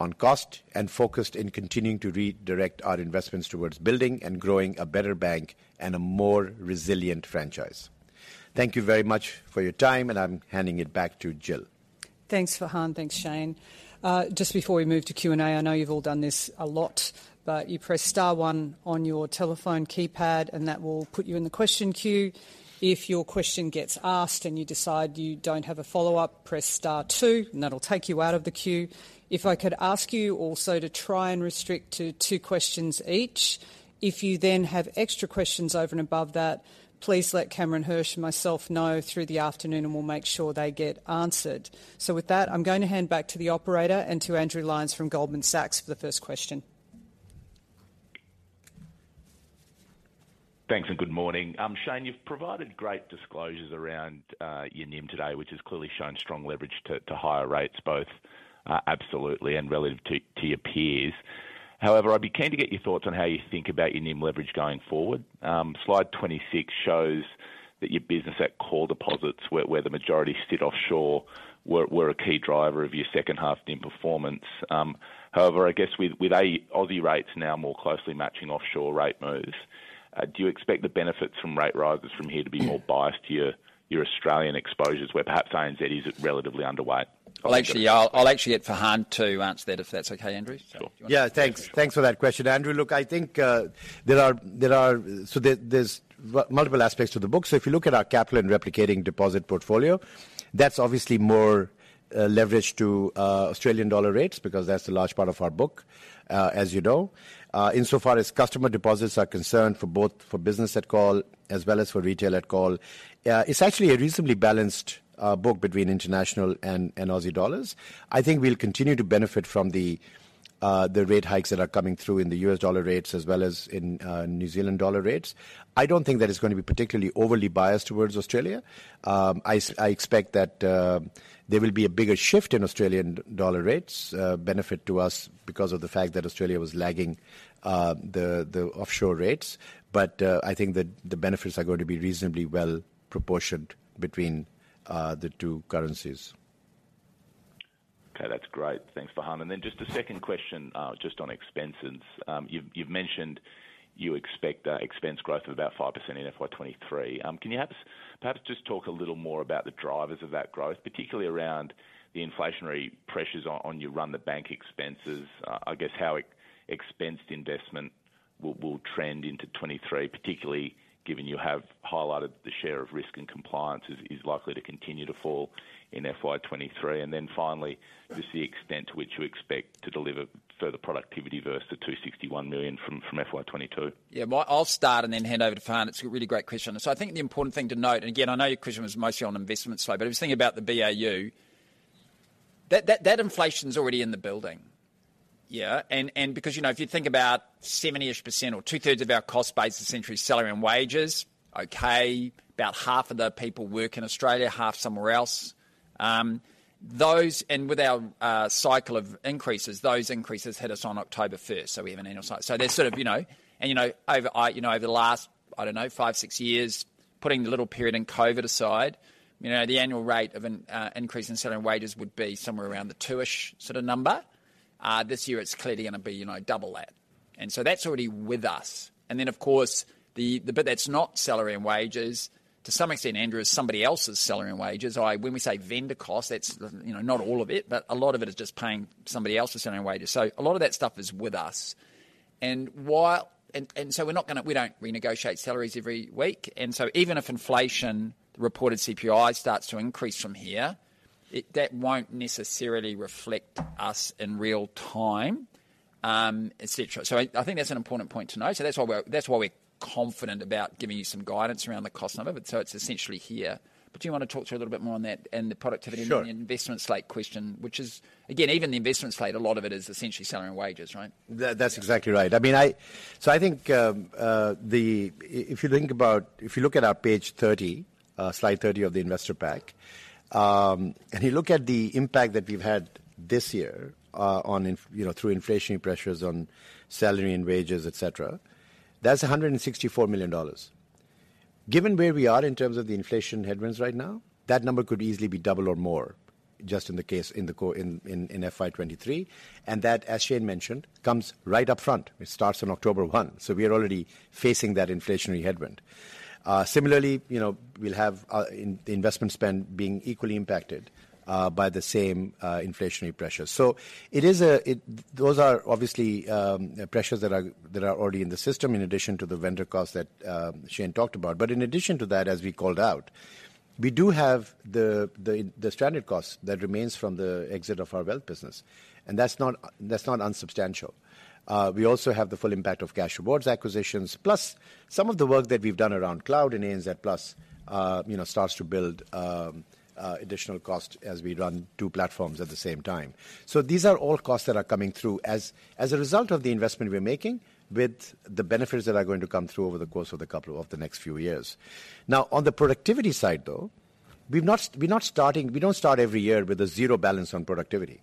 on cost and focused in continuing to redirect our investments towards building and growing a better bank and a more resilient franchise. Thank you very much for your time, and I'm handing it back to Jill. Thanks, Farhan. Thanks, Shayne. Just before we move to Q&A, I know you've all done this a lot, but you press star one on your telephone keypad, and that will put you in the question queue. If your question gets asked and you decide you don't have a follow-up, press star two, and that'll take you out of the queue. If I could ask you also to try and restrict to two questions each. If you then have extra questions over and above that, please let Cameron Hirsch and myself know through the afternoon, and we'll make sure they get answered. With that, I'm gonna hand back to the operator and to Andrew Lyons from Goldman Sachs for the first question. Thanks and good morning. Shayne, you've provided great disclosures around your NIM today, which has clearly shown strong leverage to higher rates, both absolutely and relative to your peers. However, I'd be keen to get your thoughts on how you think about your NIM leverage going forward. Slide 26 shows that your business at call deposits where the majority sit offshore were a key driver of your second half NIM performance. However, I guess with Aussie rates now more closely matching offshore rate moves, do you expect the benefits from rate rises from here to be more biased to your Australian exposures where perhaps ANZ is relatively underweight? Well, actually, I'll actually get Farhan to answer that if that's okay, Andrew. Sure. Yeah, thanks. Thanks for that question, Andrew. Look, I think there are multiple aspects to the book. If you look at our capital and replicating deposit portfolio, that's obviously more leveraged to Australian dollar rates because that's a large part of our book, as you know. Insofar as customer deposits are concerned for both business at call as well as for retail at call, it's actually a reasonably balanced book between international and Aussie dollars. I think we'll continue to benefit from the rate hikes that are coming through in the U.S. dollar rates as well as in New Zealand dollar rates. I don't think that it's going to be particularly overly biased towards Australia. I expect that there will be a bigger shift in Australian dollar rates benefit to us because of the fact that Australia was lagging the offshore rates. I think that the benefits are going to be reasonably well proportioned between the two currencies. Okay, that's great. Thanks, Farhan. Just a second question, just on expenses. You've mentioned you expect expense growth of about 5% in FY 2023. Can you perhaps just talk a little more about the drivers of that growth, particularly around the inflationary pressures on your run the bank expenses? I guess how expense investment will trend into 2023, particularly given you have highlighted the share of risk and compliance is likely to continue to fall in FY 2023. Finally, just the extent to which you expect to deliver further productivity versus the 261 million from FY 2022. I'll start and then hand over to Farhan. It's a really great question. I think the important thing to note, and again, I know your question was mostly on investment side, but if you think about the BAU, that inflation's already in the building. Yeah. Because, you know, if you think about 70-ish% or two-thirds of our cost base is essentially salary and wages. Okay. About half of the people work in Australia, half somewhere else. Those, and with our cycle of increases, those increases hit us on October 1st, so we have an annual cycle. They're sort of, you know. You know, over the last, I don't know, five, six years, putting the little period in COVID aside, you know, the annual rate of increase in salary and wages would be somewhere around the two-ish sort of number. This year it's clearly gonna be, you know, double that. That's already with us. Of course, the bit that's not salary and wages, to some extent, Andrew, is somebody else's salary and wages. When we say vendor costs, that's, you know, not all of it, but a lot of it is just paying somebody else's salary and wages. A lot of that stuff is with us. While we don't renegotiate salaries every week. Even if inflation, reported CPI starts to increase from here, that won't necessarily reflect us in real time, etc. I think that's an important point to note. That's why we're confident about giving you some guidance around the cost number. It's essentially here. Do you want to talk a little bit more on that and the productivity? Sure. The investment slate question, which is again, even the investment slate, a lot of it is essentially salary and wages, right? That's exactly right. I mean, so I think, if you think about, if you look at our page 30, slide 30 of the investor pack, and you look at the impact that we've had this year, on, you know, through inflationary pressures on salary and wages, et cetera, that's 164 million dollars. Given where we are in terms of the inflation headwinds right now, that number could easily be double or more. Just in the case in FY 2023, and that, as Shayne mentioned, comes right up front. It starts on October 1, so we are already facing that inflationary headwind. Similarly, you know, we'll have in the investment spend being equally impacted by the same inflationary pressures. Those are obviously pressures that are already in the system, in addition to the vendor costs that Shayne talked about. In addition to that, as we called out, we do have the stranded costs that remains from the exit of our wealth business, and that's not unsubstantial. We also have the full impact of CashRewards acquisitions, plus some of the work that we've done around cloud and ANZ Plus, you know, starts to build additional cost as we run two platforms at the same time. These are all costs that are coming through as a result of the investment we're making with the benefits that are going to come through over the course of the couple of the next few years. Now, on the productivity side, though, we don't start every year with a zero balance on productivity.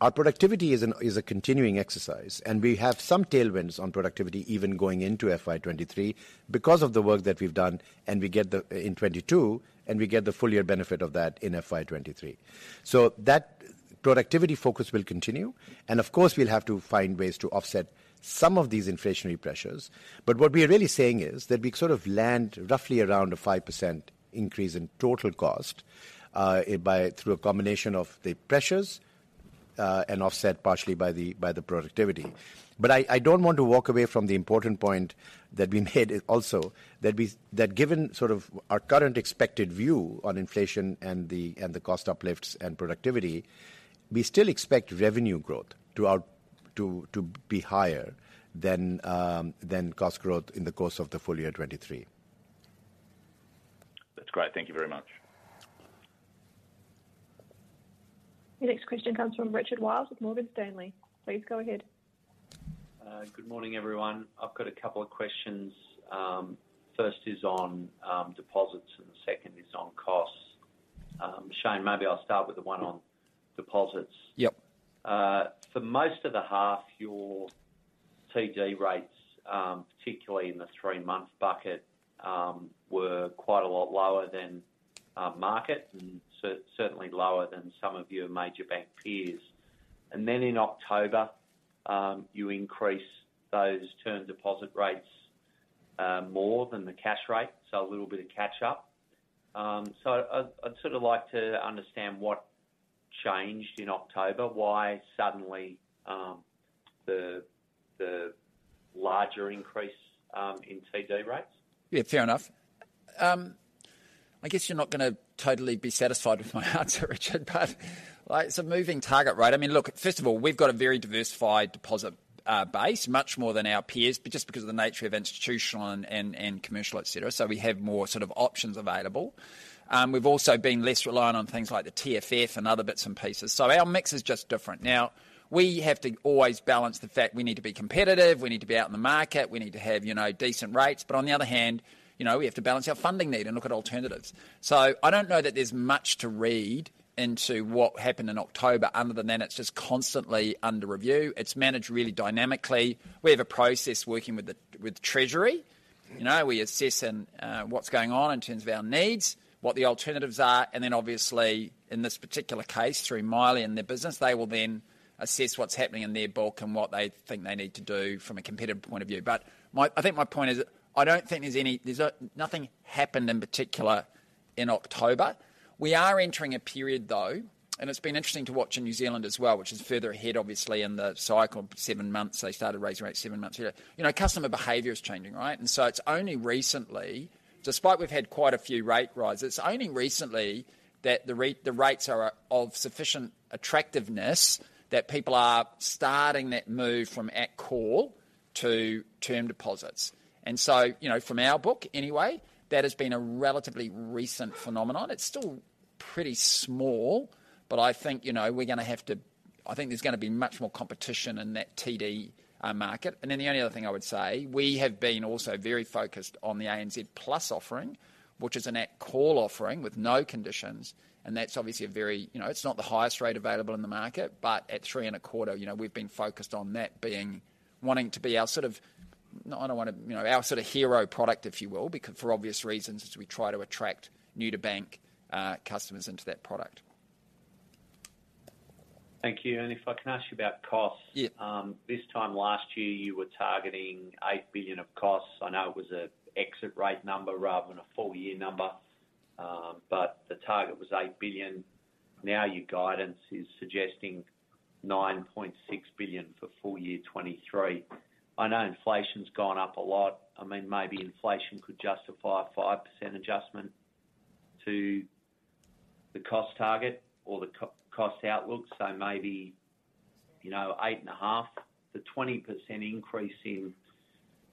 Our productivity is a continuing exercise, and we have some tailwinds on productivity even going into FY 2023 because of the work that we've done, and we get the full year benefit of that in FY 2023. That productivity focus will continue, and of course, we'll have to find ways to offset some of these inflationary pressures. What we are really saying is that we sort of land roughly around a 5% increase in total cost through a combination of the pressures, and offset partially by the productivity. I don't want to walk away from the important point that we made also, that given sort of our current expected view on inflation and the cost uplifts and productivity, we still expect revenue growth throughout to be higher than cost growth in the course of the full year 2023. That's great. Thank you very much. The next question comes from Richard Wiles with Morgan Stanley. Please go ahead. Good morning, everyone. I've got a couple of questions. First is on deposits and the second is on costs. Shayne, maybe I'll start with the one on deposits. Yep. For most of the half, your TD rates, particularly in the three-month bucket, were quite a lot lower than market and certainly lower than some of your major bank peers. In October, you increased those term deposit rates more than the cash rate, so a little bit of catch-up. I'd sort of like to understand what changed in October, why suddenly the larger increase in TD rates? Yeah, fair enough. I guess you're not gonna totally be satisfied with my answer, Richard, but it's a moving target, right? I mean, look, first of all, we've got a very diversified deposit base, much more than our peers, but just because of the nature of institutional and commercial, et cetera, so we have more sort of options available. We've also been less reliant on things like the TFF and other bits and pieces. Our mix is just different. Now, we have to always balance the fact we need to be competitive, we need to be out in the market, we need to have, you know, decent rates. On the other hand, you know, we have to balance our funding need and look at alternatives. I don't know that there's much to read into what happened in October other than then it's just constantly under review. It's managed really dynamically. We have a process working with Treasury. You know, we assess what's going on in terms of our needs, what the alternatives are, and then obviously in this particular case, through Maile and their business, they will then assess what's happening in their book and what they think they need to do from a competitive point of view. I think my point is, I don't think there's any nothing happened in particular in October. We are entering a period, though, and it's been interesting to watch in New Zealand as well, which is further ahead, obviously, in the cycle. seven months, they started raising rates seven months ago. You know, customer behavior is changing, right? It's only recently, despite we've had quite a few rate rises, it's only recently that the rates are of sufficient attractiveness that people are starting to move from at call to term deposits. You know, from our book anyway, that has been a relatively recent phenomenon. It's still pretty small, but I think, you know, there's gonna be much more competition in that TD market. The only other thing I would say, we have been also very focused on the ANZ Plus offering, which is an at call offering with no conditions. That's obviously a very, you know, it's not the highest rate available in the market, but at 3.25%, you know, we've been focused on that being... wanting to be our sort of, not only one of, you know, our sort of hero product, if you will, for obvious reasons, as we try to attract new-to-bank customers into that product. Thank you. If I can ask you about costs. Yeah. This time last year, you were targeting 8 billion of costs. I know it was an exit rate number rather than a full year number, but the target was 8 billion. Now your guidance is suggesting 9.6 billion for full year 2023. I know inflation's gone up a lot. I mean, maybe inflation could justify a 5% adjustment to the cost target or the cost outlook, so maybe, you know, 8.5. The 20% increase in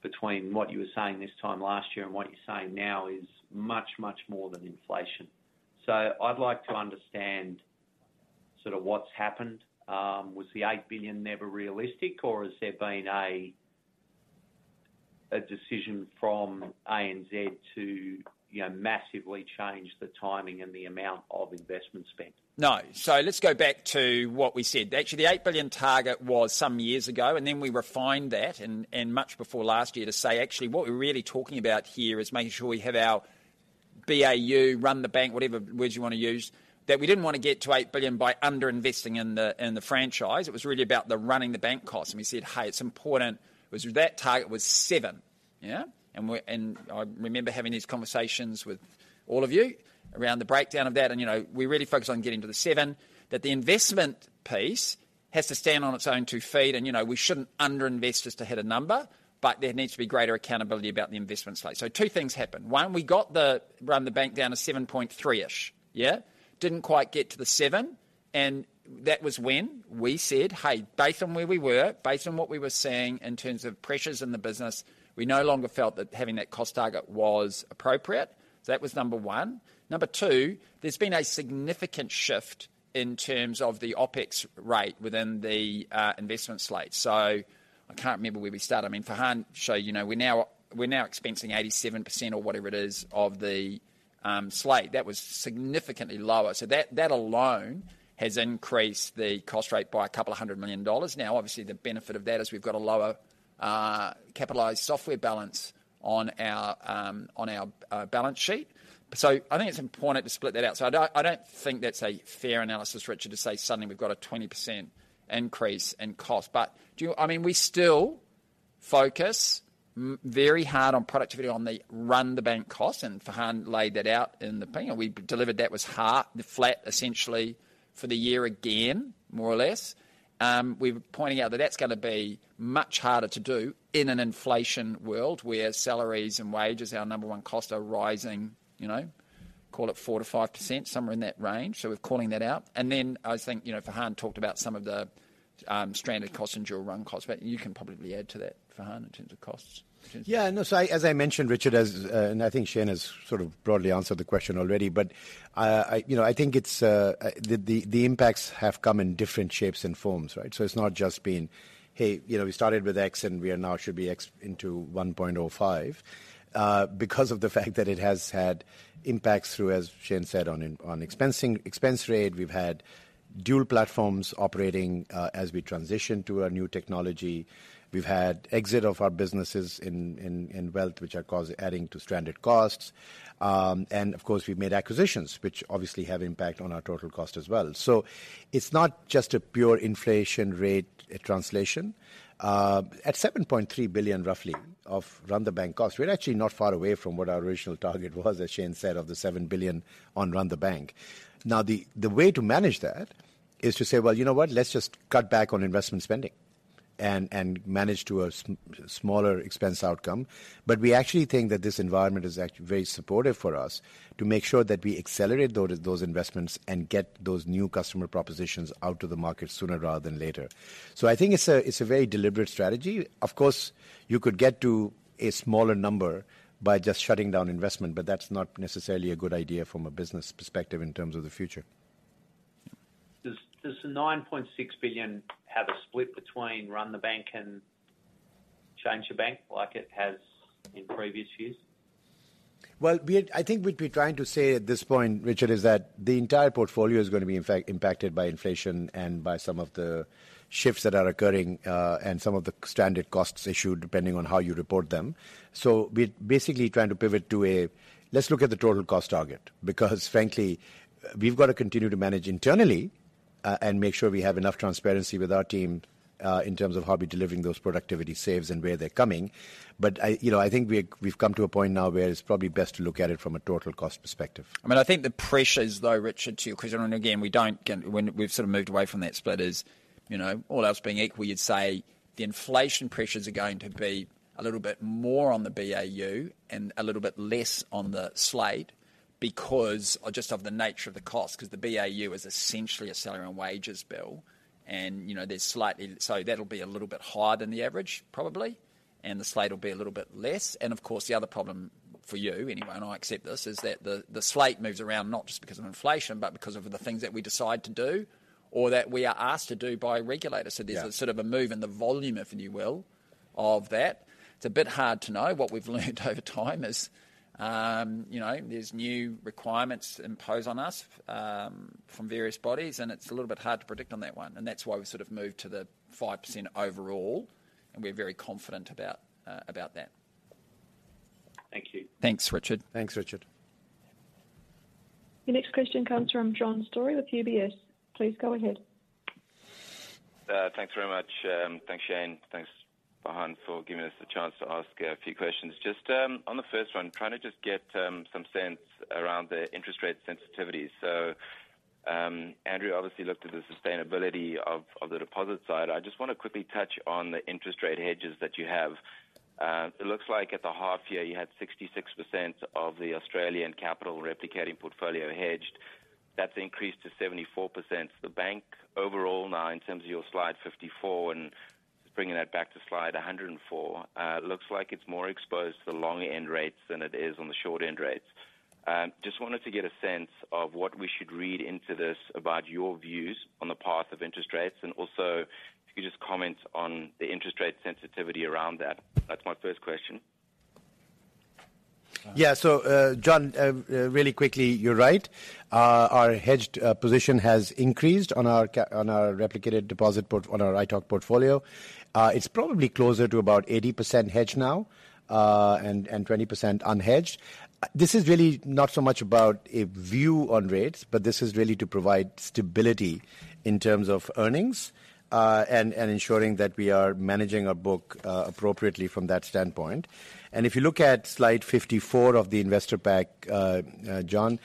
between what you were saying this time last year and what you're saying now is much, much more than inflation. I'd like to understand sort of what's happened. Was the 8 billion never realistic, or has there been a decision from ANZ to, you know, massively change the timing and the amount of investment spent? No. Let's go back to what we said. Actually, the 8 billion target was some years ago, and then we refined that and much before last year to say, actually, what we're really talking about here is making sure we have our BAU, run the bank, whatever words you wanna use, that we didn't wanna get to 8 billion by under-investing in the franchise. It was really about the run the bank cost. We said, "Hey, it's important." What that target was 7 billion. Yeah? I remember having these conversations with all of you around the breakdown of that. You know, we really focused on getting to the 7 billion. That the investment piece has to stand on its own two feet. You know, we shouldn't under-invest just to hit a number, but there needs to be greater accountability about the investment slate. Two things happened. One, we got the run the bank down to 7.3-ish. Yeah? Didn't quite get to the seven, and that was when we said, "Hey, based on where we were, based on what we were seeing in terms of pressures in the business, we no longer felt that having that cost target was appropriate." That was number one. Number two, there's been a significant shift in terms of the OpEx rate within the investment slate. I can't remember where we start. I mean, Farhan, show, you know, we're now expensing 87% or whatever it is of the slate. That was significantly lower. That alone has increased the cost rate by 200 million dollars. Now, obviously, the benefit of that is we've got a lower capitalized software balance on our balance sheet. I think it's important to split that out. I don't think that's a fair analysis, Richard, to say suddenly we've got a 20% increase in cost. But I mean, we still focus very hard on productivity on the run the bank cost. Farhan laid that out in the beginning. We delivered half, the flat essentially for the year again, more or less. We were pointing out that that's gonna be much harder to do in an inflation world where salaries and wages, our number one cost, are rising, you know, call it 4%-5%, somewhere in that range. We're calling that out. Then I think, you know, Farhan talked about some of the stranded costs and dual run costs. You can probably add to that, Farhan, in terms of costs. Yeah. No. As I mentioned, Richard, and I think Shayne has sort of broadly answered the question already, but I, you know, I think it's the impacts have come in different shapes and forms, right? It's not just been, hey, you know, we started with X and we are now should be X into 1.05, because of the fact that it has had impacts through, as Shayne said, on expensing, expense rate. We've had dual platforms operating, as we transition to a new technology. We've had exit of our businesses in wealth, which has caused adding to stranded costs. And of course, we've made acquisitions, which obviously have impact on our total cost as well. It's not just a pure inflation rate translation. At 7.3 billion, roughly, of run the bank costs, we're actually not far away from what our original target was, as Shayne said, of the 7 billion on run the bank. Now, the way to manage that is to say, "Well, you know what? Let's just cut back on investment spending and manage to a smaller expense outcome." We actually think that this environment is actually very supportive for us to make sure that we accelerate those investments and get those new customer propositions out to the market sooner rather than later. I think it's a very deliberate strategy. Of course, you could get to a smaller number by just shutting down investment, but that's not necessarily a good idea from a business perspective in terms of the future. Does the 9.6 billion have a split between run the bank and change the bank like it has in previous years? I think we'd be trying to say at this point, Richard, is that the entire portfolio is gonna be, in fact, impacted by inflation and by some of the shifts that are occurring, and some of the stranded costs issue, depending on how you report them. We're basically trying to pivot to a, "Let's look at the total cost target." Because frankly, we've got to continue to manage internally, and make sure we have enough transparency with our team, in terms of how we're delivering those productivity saves and where they're coming. I, you know, I think we've come to a point now where it's probably best to look at it from a total cost perspective. I mean, I think the pressures, though, Richard, to your question, and again, when we've sort of moved away from that split is, you know, all else being equal, you'd say the inflation pressures are going to be a little bit more on the BAU and a little bit less on the slate because or just of the nature of the cost, because the BAU is essentially a salary and wages bill. You know, that'll be a little bit higher than the average, probably. The slate will be a little bit less. Of course, the other problem for you, anyway, and I accept this, is that the slate moves around not just because of inflation, but because of the things that we decide to do or that we are asked to do by regulators. Yeah. There's a sort of a move in the volume, if you will, of that. It's a bit hard to know. What we've learned over time is, you know, there's new requirements imposed on us, from various bodies, and it's a little bit hard to predict on that one. That's why we sort of moved to the 5% overall, and we're very confident about that. Thank you. Thanks, Richard. Thanks, Richard. Your next question comes from John Storey with UBS. Please go ahead. Thanks very much. Thanks, Shayne. Thanks, Farhan, for giving us the chance to ask a few questions. Just on the first one, trying to just get some sense around the interest rate sensitivity. Andrew obviously looked at the sustainability of the deposit side. I just wanna quickly touch on the interest rate hedges that you have. It looks like at the half year you had 66% of the Australian capital replicating portfolio hedged. That's increased to 74%. The bank overall now, in terms of your slide 54, and bringing that back to slide 104, looks like it's more exposed to the longer end rates than it is on the short end rates. Just wanted to get a sense of what we should read into this about your views on the path of interest rates, and also if you could just comment on the interest rate sensitivity around that. That's my first question. Yeah. John, really quickly, you're right. Our hedged position has increased on our replicated deposit portfolio on our ITOC portfolio. It's probably closer to about 80% hedged now, and 20% unhedged. This is really not so much about a view on rates, but this is really to provide stability in terms of earnings, and ensuring that we are managing our book appropriately from that standpoint. If you look at slide 54 of the investor pack, John,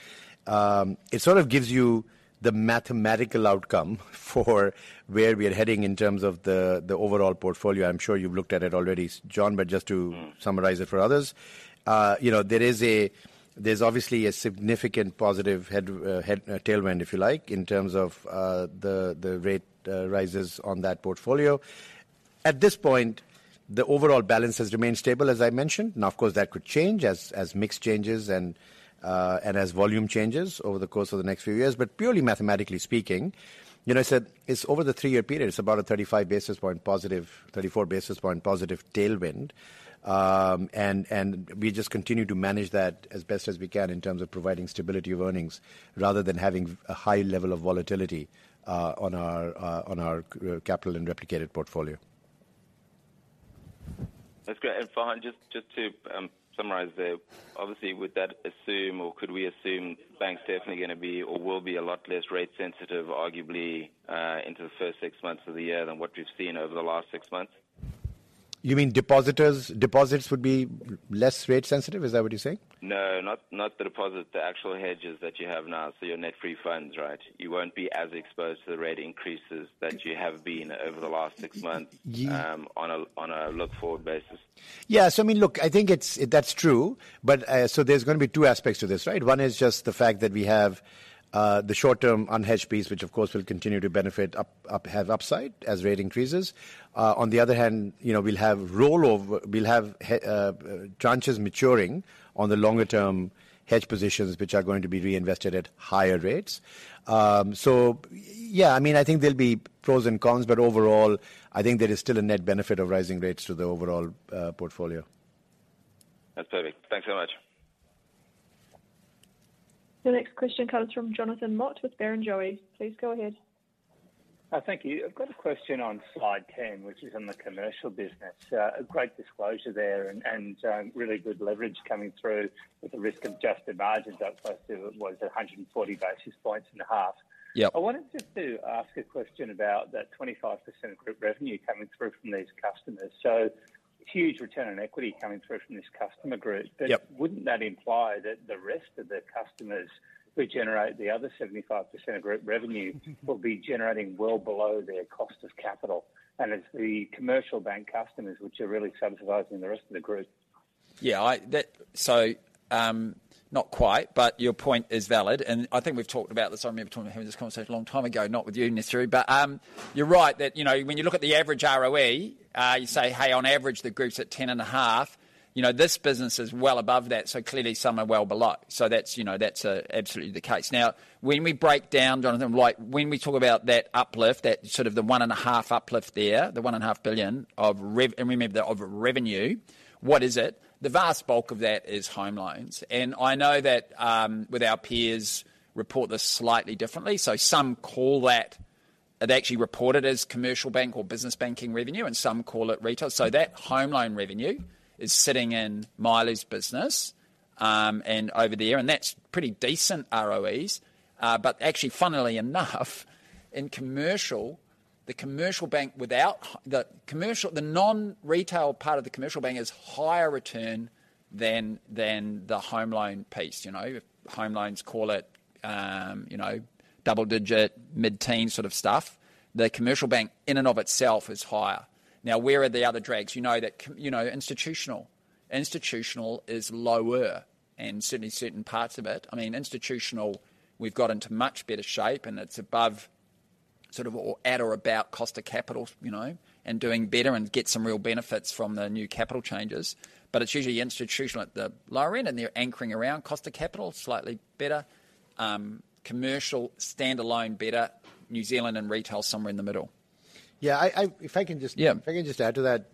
it sort of gives you the mathematical outcome for where we're heading in terms of the overall portfolio. I'm sure you've looked at it already, John, but just to Mm. Summarize it for others. You know, there is a there's obviously a significant positive tailwind, if you like, in terms of the rate rises on that portfolio. At this point, the overall balance has remained stable, as I mentioned. Now, of course, that could change as mix changes and as volume changes over the course of the next few years. Purely mathematically speaking, you know, so it's over the three-year period, it's about a 34 basis point positive tailwind. And we just continue to manage that as best as we can in terms of providing stability of earnings rather than having a high level of volatility on our capital and replicated portfolio. That's great. Farhan, just to summarize there, obviously, would that assume or could we assume banks definitely gonna be or will be a lot less rate sensitive, arguably, into the first six months of the year than what we've seen over the last six months? You mean depositors, deposits would be less rate sensitive? Is that what you're saying? No, not the deposit, the actual hedges that you have now. Your net free funds, right? You won't be as exposed to the rate increases that you have been over the last six months. Ye- On a look-forward basis. Yeah. I mean, look, I think it's. That's true. There's gonna be two aspects to this, right? One is just the fact that we have the short-term unhedged piece, which of course will continue to benefit up, have upside as rate increases. On the other hand, you know, we'll have tranches maturing on the longer term hedge positions, which are going to be reinvested at higher rates. Yeah, I mean, I think there'll be pros and cons, but overall, I think there is still a net benefit of rising rates to the overall portfolio. That's perfect. Thanks so much. The next question comes from Jonathan Mott with Barrenjoey. Please go ahead. Thank you. I've got a question on slide 10, which is on the commercial business. A great disclosure there and really good leverage coming through with the risk-adjusted margins up close to what was 140.5 basis points. Yeah. I wanted just to ask a question about that 25% group revenue coming through from these customers. Huge return on equity coming through from this customer group. Yep. Wouldn't that imply that the rest of the customers who generate the other 75% of group revenue will be generating well below their cost of capital? It's the commercial bank customers which are really subsidizing the rest of the group. Not quite, but your point is valid. I think we've talked about this. I remember talking, having this conversation a long time ago, not with you necessarily. You're right that, you know, when you look at the average ROE, you say, "Hey, on average, the group's at 10.5%." You know, this business is well above that, so clearly some are well below. That's, you know, absolutely the case. Now, when we break down, Jonathan, like when we talk about that uplift, that sort of the 1.5 uplift there, the 1.5 billion of revenue, what is it? The vast bulk of that is home loans. I know that with our peers report this slightly differently. Some call that, they actually report it as commercial bank or business banking revenue, and some call it retail. That home loan revenue is sitting in Maile's business, and over there, and that's pretty decent ROEs. But actually, funnily enough, in commercial, the commercial bank, the non-retail part of the commercial bank is higher return than the home loan piece. You know? Home loans call it, you know, double digit, mid-teen sort of stuff. The commercial bank in and of itself is higher. Now, where are the other drags? You know, institutional. Institutional is lower and certainly certain parts of it. I mean, institutional, we've got into much better shape, and it's above sort of, or at or about cost of capital, you know, and doing better and get some real benefits from the new capital changes. But it's usually institutional at the lower end, and they're anchoring around cost of capital, slightly better. Commercial, standalone, better. New Zealand and retail, somewhere in the middle. If I can just- Yeah. If I can just add to that.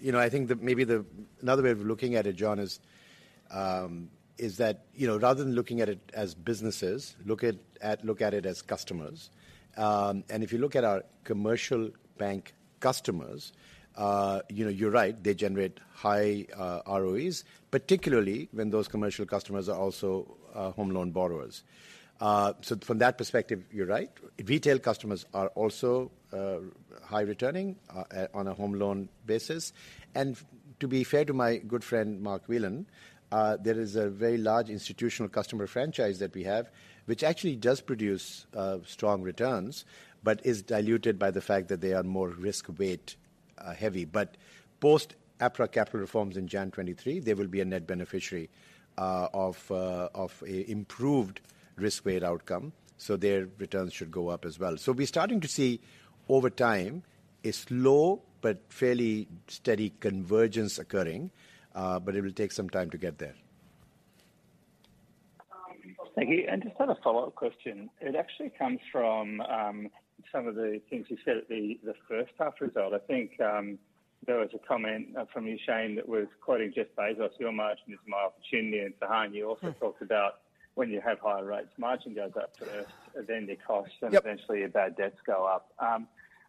You know, I think that maybe another way of looking at it, John, is that you know, rather than looking at it as businesses, look at it as customers. If you look at our commercial bank customers, you know, you're right, they generate high ROEs, particularly when those commercial customers are also home loan borrowers. So from that perspective, you're right. Retail customers are also high returning on a home loan basis. To be fair to my good friend, Mark Whelan, there is a very large institutional customer franchise that we have, which actually does produce strong returns, but is diluted by the fact that they are more risk weight heavy. Post APRA capital reforms in January 2023, there will be a net beneficiary of an improved risk-weighted outcome, so their returns should go up as well. We're starting to see over time a slow but fairly steady convergence occurring, but it will take some time to get there. Thank you. Just had a follow-up question. It actually comes from some of the things you said at the first half result. I think there was a comment from you, Shayne, that was quoting Jeff Bezos, "Your margin is my opportunity." Farhan, you also talked about when you have higher rates, margin goes up first, then the costs. Yep. Eventually your bad debts go up.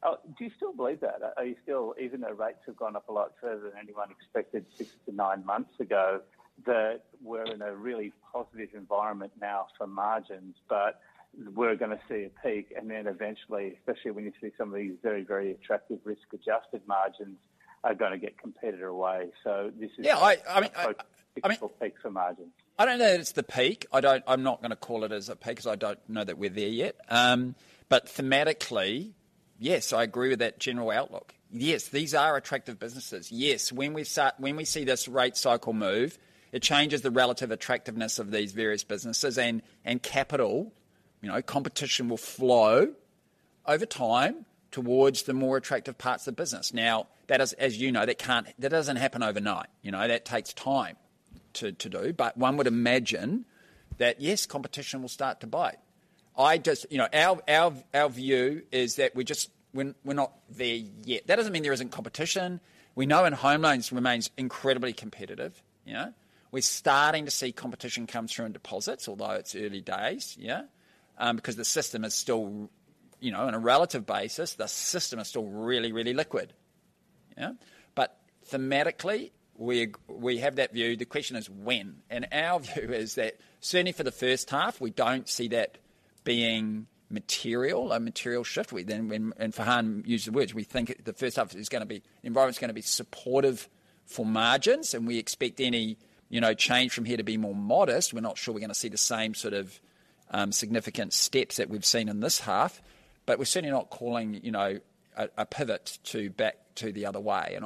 Do you still believe that, even though rates have gone up a lot further than anyone expected six-nine months ago, that we're in a really positive environment now for margins, but we're gonna see a peak and then eventually, especially when you see some of these very, very attractive risk-adjusted margins are gonna get competed away. This is Yeah. I mean. a potential peak for margin. I don't know that it's the peak. I'm not gonna call it as a peak 'cause I don't know that we're there yet. Thematically, yes, I agree with that general outlook. Yes, these are attractive businesses. Yes, when we see this rate cycle move, it changes the relative attractiveness of these various businesses and capital. You know, competition will flow over time towards the more attractive parts of the business. Now, that is, as you know, that doesn't happen overnight. You know? That takes time to do. One would imagine that, yes, competition will start to bite. You know, our view is that we're not there yet. That doesn't mean there isn't competition. Competition in home loans remains incredibly competitive. You know? We're starting to see competition come through in deposits, although it's early days, because the system is still, you know, on a relative basis, the system is still really, really liquid. But thematically, we have that view. The question is when? Our view is that certainly for the first half, we don't see that being material shift. Farhan used the words, we think the first half is gonna be environment's gonna be supportive for margins, and we expect any, you know, change from here to be more modest. We're not sure we're gonna see the same sort of significant steps that we've seen in this half. We're certainly not calling, you know, a pivot to back to the other way.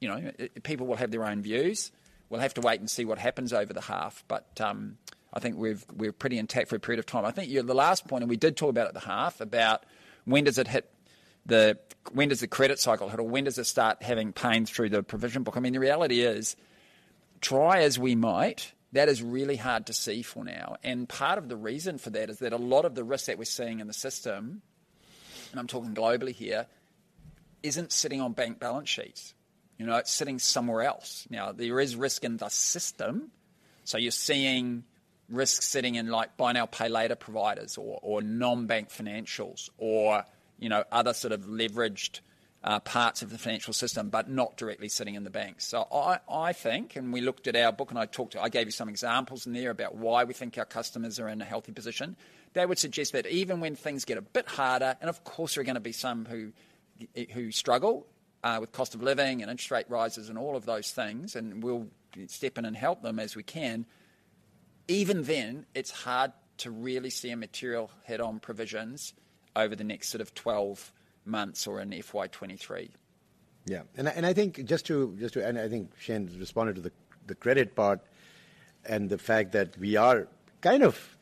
You know, people will have their own views. We'll have to wait and see what happens over the half. I think we're pretty intact for a period of time. I think the last point, we did talk about at the half about when does the credit cycle hit or when does it start having pains through the provision book? I mean, the reality is, try as we might, that is really hard to see for now. Part of the reason for that is that a lot of the risk that we're seeing in the system, and I'm talking globally here, isn't sitting on bank balance sheets. You know, it's sitting somewhere else. Now, there is risk in the system, so you're seeing risk sitting in like buy now, pay later providers or non-bank financials or, you know, other sort of leveraged parts of the financial system, but not directly sitting in the banks. I think, and we looked at our book and I gave you some examples in there about why we think our customers are in a healthy position. That would suggest that even when things get a bit harder, and of course there are gonna be some who struggle with cost of living and interest rate rises and all of those things, and we'll step in and help them as we can. Even then, it's hard to really see a material hit on provisions over the next sort of 12 months or in FY 2023. Yeah. I think Shayne's responded to the credit part and the fact that we are kind of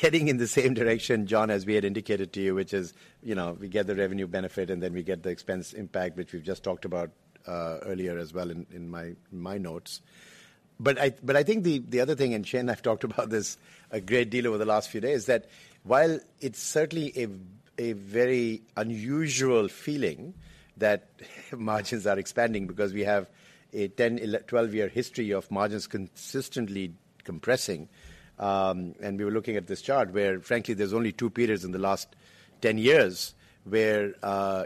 heading in the same direction, John, as we had indicated to you, which is, you know, we get the revenue benefit, and then we get the expense impact, which we've just talked about earlier as well in my notes. I think the other thing, and Shayne and I have talked about this a great deal over the last few days, is that while it's certainly a very unusual feeling that margins are expanding because we have a 12-year history of margins consistently compressing, and we were looking at this chart where frankly, there's only two periods in the last 10 years where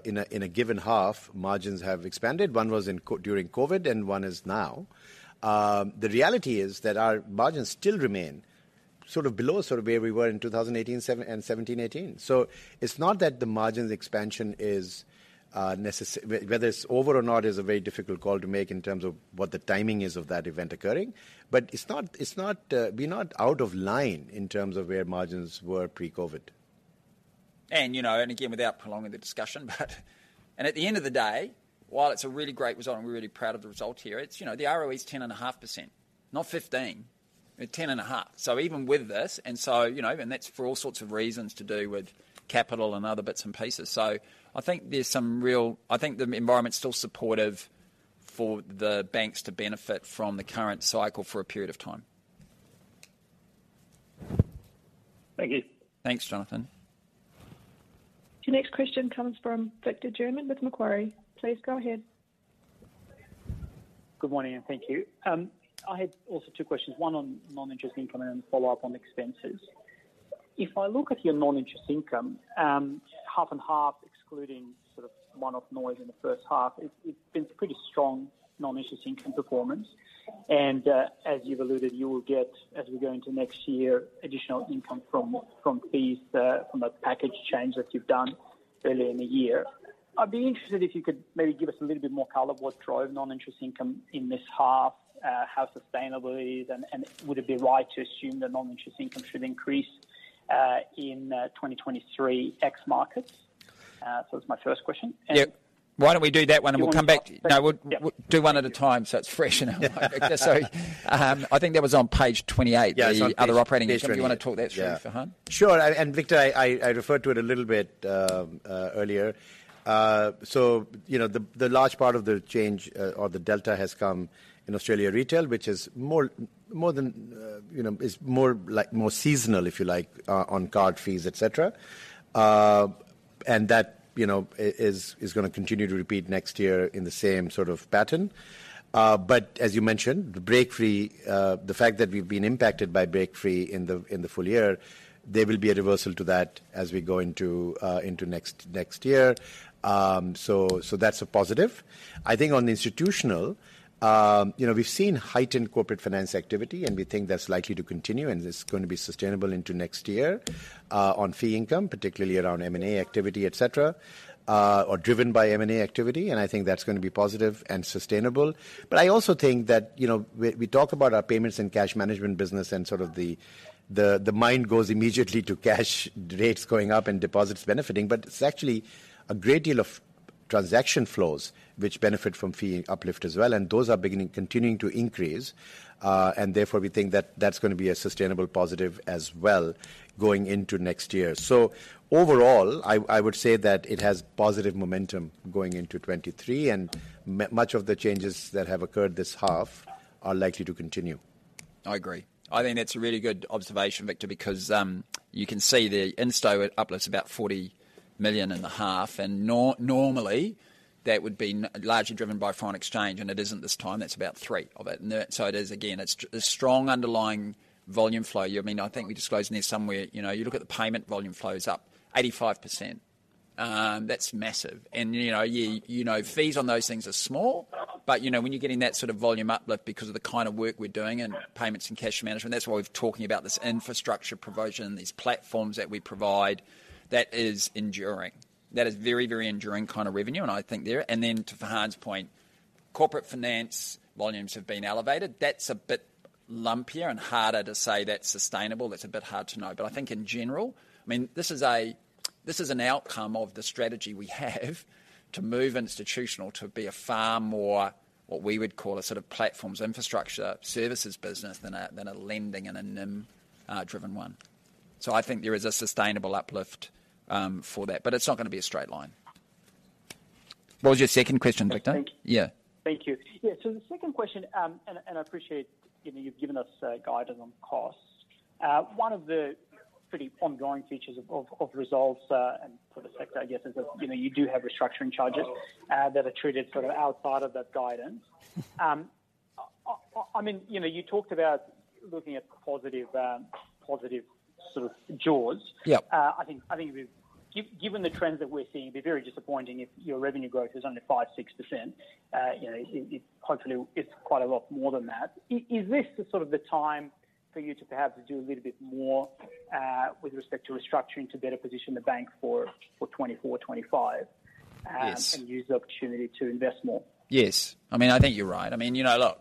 in a given half, margins have expanded. One was during COVID and one is now. The reality is that our margins still remain sort of below sort of where we were in 2018 and 2017, 2018. It's not that the margins expansion is necessarily. Whether it's over or not is a very difficult call to make in terms of what the timing is of that event occurring. It's not, we're not out of line in terms of where margins were pre-COVID. You know, again, without prolonging the discussion, at the end of the day, while it's a really great result and we're really proud of the result here, it's, you know, the ROE is 10.5%, not 15%. 10.5%. Even with this, you know, that's for all sorts of reasons to do with capital and other bits and pieces. I think the environment's still supportive for the banks to benefit from the current cycle for a period of time. Thank you. Thanks, Jonathan. Your next question comes from Victor German with Macquarie. Please go ahead. Good morning, and thank you. I had also two questions, one on non-interest income and then follow up on expenses. If I look at your non-interest income, half and half, excluding sort of one-off noise in the first half, it's been pretty strong non-interest income performance. As you've alluded, you will get, as we go into next year, additional income from fees from the package change that you've done earlier in the year. I'd be interested if you could maybe give us a little bit more color what drove non-interest income in this half, how sustainable it is, and would it be right to assume that non-interest income should increase in 2023 ex markets? So that's my first question. Yeah. Why don't we do that one, and we'll come back. Yeah. No. We'll do one at a time, so it's fresh in our mind, Victor. I think that was on page 28. Yeah. The other operating. Page 28. Do you wanna talk that through, Farhan? Sure. Victor, I referred to it a little bit earlier. You know, the large part of the change or the delta has come in Australia Retail, which is more seasonal, if you like, on card fees, et cetera. That you know is gonna continue to repeat next year in the same sort of pattern. As you mentioned, the BreakFree, the fact that we've been impacted by BreakFree in the full year, there will be a reversal to that as we go into next year. That's a positive. I think on the institutional, you know, we've seen heightened corporate finance activity, and we think that's likely to continue, and it's going to be sustainable into next year, on fee income, particularly around M&A activity, et cetera, or driven by M&A activity, and I think that's gonna be positive and sustainable. I also think that, you know, we talk about our payments and cash management business and sort of the mind goes immediately to cash rates going up and deposits benefiting, but it's actually a great deal of transaction flows which benefit from fee uplift as well, and those are continuing to increase. Therefore, we think that that's gonna be a sustainable positive as well going into next year. Overall, I would say that it has positive momentum going into 2023, and much of the changes that have occurred this half are likely to continue. I agree. I think that's a really good observation, Victor, because you can see the Insto uplift's about 40.5 million, and normally that would be largely driven by foreign exchange, and it isn't this time. That's about 3 million of it. So it is again, it's a strong underlying volume flow. I mean, I think we disclosed in there somewhere. You know, you look at the payment volume flow is up 85%. That's massive. You know, yeah, you know, fees on those things are small, but you know, when you're getting that sort of volume uplift because of the kind of work we're doing and payments and cash management, that's why we're talking about this infrastructure provision and these platforms that we provide, that is enduring. That is very, very enduring kind of revenue, and I think there. To Farhan's point, corporate finance volumes have been elevated. That's a bit lumpier and harder to say that's sustainable. That's a bit hard to know. I think in general, I mean, this is an outcome of the strategy we have to move institutional to be a far more, what we would call a sort of platforms infrastructure services business than a lending and a NIM driven one. I think there is a sustainable uplift for that, but it's not gonna be a straight line. What was your second question, Victor? Thank you. Yeah. Thank you. Yeah. The second question, and I appreciate, you know, you've given us guidance on costs. One of the pretty ongoing features of results, and for the sector, I guess, is that, you know, you do have restructuring charges that are treated sort of outside of that guidance. I mean, you know, you talked about looking at positive sort of jaws. Yeah. I think given the trends that we're seeing, it'd be very disappointing if your revenue growth is only 5%-6%. You know, it hopefully it's quite a lot more than that. Is this the sort of the time for you to perhaps do a little bit more with respect to restructuring to better position the bank for 2024-2025. Yes use the opportunity to invest more? Yes. I mean, I think you're right. I mean, you know, look,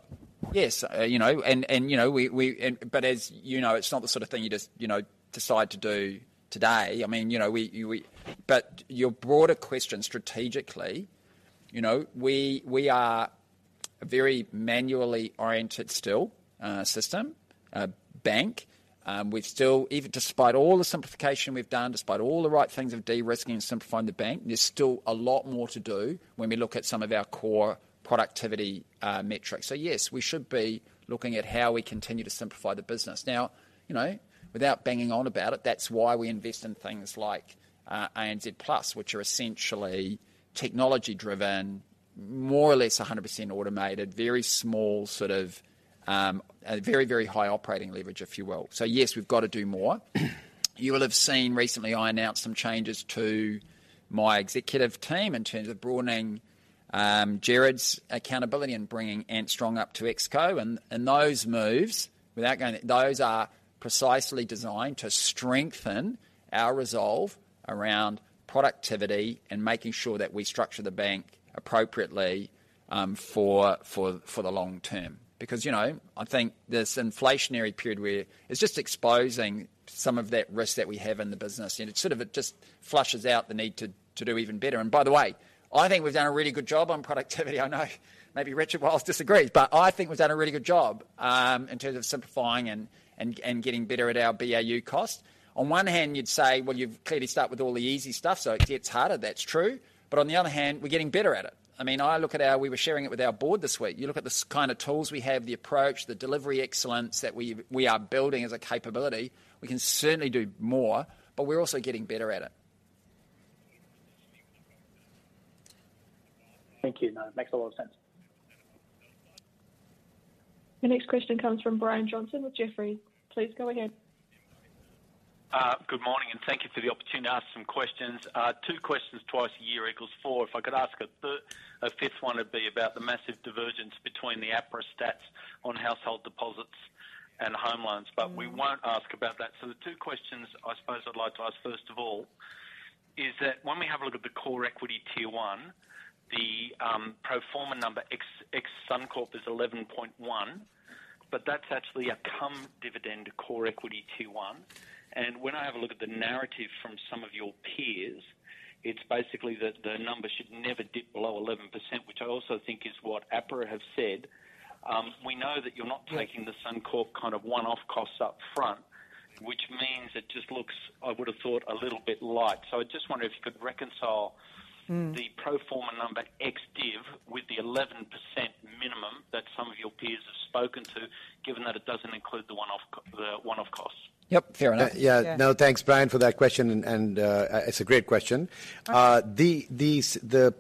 yes, you know, it's not the sort of thing you just, you know, decide to do today. I mean, you know, your broader question strategically, you know, we are a very manually oriented still, system, bank. We've still, even despite all the simplification we've done, despite all the right things of de-risking and simplifying the bank, there's still a lot more to do when we look at some of our core productivity, metrics. Yes, we should be looking at how we continue to simplify the business. Now, you know, without banging on about it, that's why we invest in things like ANZ Plus, which are essentially technology driven, more or less 100% automated, very small sort of a very high operating leverage, if you will. Yes, we've got to do more. You will have seen recently I announced some changes to my executive team in terms of broadening Gerard's accountability and bringing Antony Strong up to ExCo. Those moves are precisely designed to strengthen our resolve around productivity and making sure that we structure the bank appropriately for the long term. I think this inflationary period we're in is just exposing some of that risk that we have in the business and it sort of just flushes out the need to do even better. By the way, I think we've done a really good job on productivity. I know maybe Richard Wiles disagrees, but I think we've done a really good job in terms of simplifying and getting better at our BAU cost. On one hand, you'd say, well, you've clearly started with all the easy stuff, so it gets harder. That's true. On the other hand, we're getting better at it. I mean, I look at ours. We were sharing it with our board this week. You look at the kind of tools we have, the approach, the delivery excellence that we are building as a capability. We can certainly do more, but we're also getting better at it. Thank you. No, makes a lot of sense. The next question comes from Brian Johnson with Jefferies. Please go ahead. Good morning, and thank you for the opportunity to ask some questions. Two questions twice a year equals four. If I could ask a fifth one, it'd be about the massive divergence between the APRA stats on household deposits and home loans, but we won't ask about that. The two questions I suppose I'd like to ask, first of all, is that when we have a look at the core equity tier one, the pro forma number ex Suncorp is 11.1, but that's actually a cum dividend core equity tier one. When I have a look at the narrative from some of your peers, it's basically that the number should never dip below 11%, which I also think is what APRA have said. We know that you're not taking- Yeah the Suncorp kind of one-off costs up front, which means it just looks, I would've thought, a little bit light. I just wonder if you could reconcile? Mm The pro forma number ex div with the 11% peers have spoken to, given that it doesn't include the one-off costs. Yep, fair enough. Yeah. No, thanks, Brian, for that question and, it's a great question. The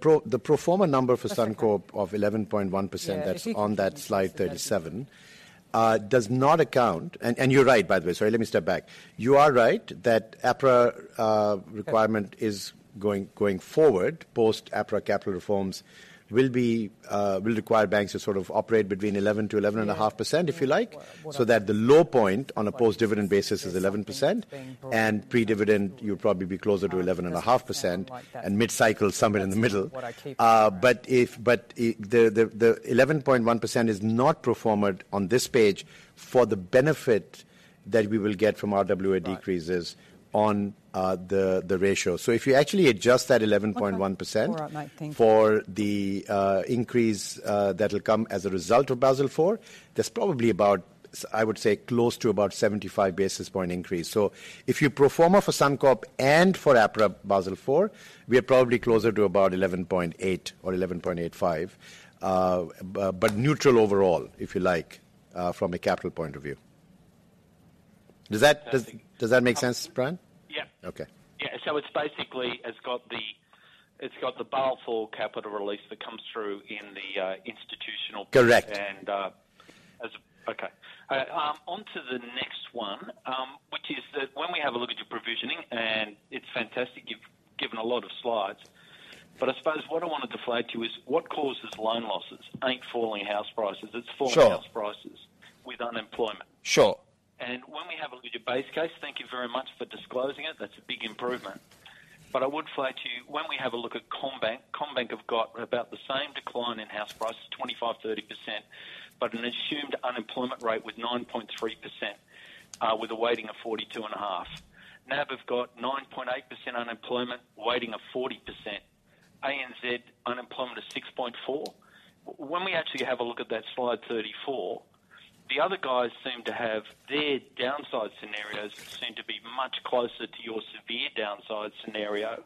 pro forma number for Suncorp of 11.1%. Yeah. That's on that slide 37, does not account. You're right, by the way. Sorry, let me step back. You are right that APRA requirement is going forward, post APRA capital reforms will require banks to sort of operate between 11%-11.5%, if you like, so that the low point on a post-dividend basis is 11% and pre-dividend, you'll probably be closer to 11.5% and mid-cycle somewhere in the middle. But the 11.1% is not pro forma on this page for the benefit that we will get from RWA decreases. Right. On the ratio. If you actually adjust that 11.1% for the increase that'll come as a result of Basel IV, there's probably about I would say close to about 75 basis point increase. If you pro forma for Suncorp and for APRA Basel IV, we are probably closer to about 11.8 or 11.85. But neutral overall, if you like, from a capital point of view. Does that make sense, Brian? Yeah. Okay. Yeah. It's basically, it's got the Basel IV capital release that comes through in the institutional- Correct. Onto the next one, which is that when we have a look at your provisioning, and it's fantastic, you've given a lot of slides, but I suppose what I wanna drill down to is what causes loan losses. Ain't falling house prices. Sure. It's falling house prices with unemployment. Sure. When we have a look at your base case, thank you very much for disclosing it. That's a big improvement. I would flag to you, when we have a look at CommBank have got about the same decline in house prices, 25%-30%, but an assumed unemployment rate with 9.3%, with a weighting of 42.5. NAB have got 9.8% unemployment weighting of 40%. ANZ unemployment is 6.4. When we actually have a look at that slide 34, the other guys seem to have their downside scenarios much closer to your severe downside scenario.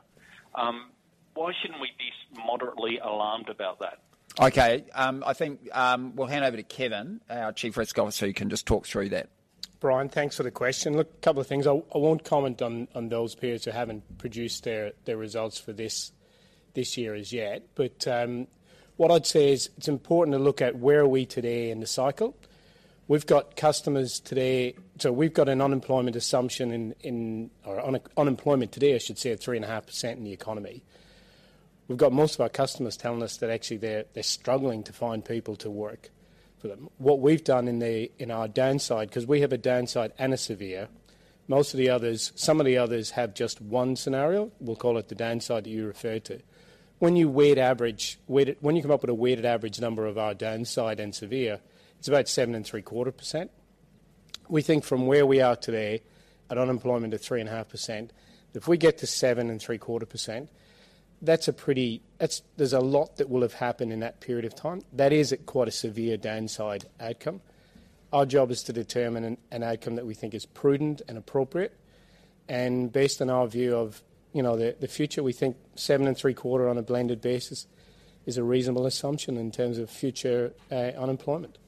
Why shouldn't we be moderately alarmed about that? Okay. I think we'll hand over to Kevin, our Chief Risk Officer, who can just talk through that. Brian, thanks for the question. Look, a couple of things. I won't comment on those peers who haven't produced their results for this year as yet. What I'd say is, it's important to look at where we are today in the cycle. We've got customers today. We've got an unemployment assumption in. Or unemployment today, I should say, of 3.5% in the economy. We've got most of our customers telling us that actually they're struggling to find people to work for them. What we've done in our downside, 'cause we have a downside and a severe, most of the others, some of the others have just one scenario. We'll call it the downside that you referred to. When you come up with a weighted average number of our downside and severe, it's about 7.75%. We think from where we are today at unemployment of 3.5%, if we get to 7.75%, there's a lot that will have happened in that period of time. That is quite a severe downside outcome. Our job is to determine an outcome that we think is prudent and appropriate. Based on our view of the future, we think 7.75% on a blended basis is a reasonable assumption in terms of future unemployment.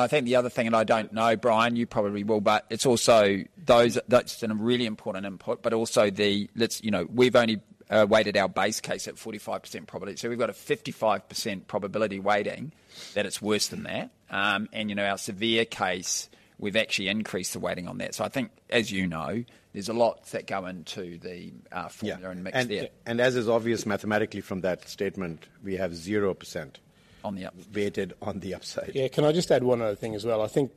I think the other thing, and I don't know, Brian, you probably will, but it's also that's a really important input, but also, let's you know, we've only weighted our base case at 45% probability. We've got a 55% probability weighting that it's worse than that. You know, our severe case, we've actually increased the weighting on that. I think, as you know, there's a lot that go into the formula and mix there. Yeah. As is obvious mathematically from that statement, we have 0%. On the up weighted on the upside. Yeah. Can I just add one other thing as well? I think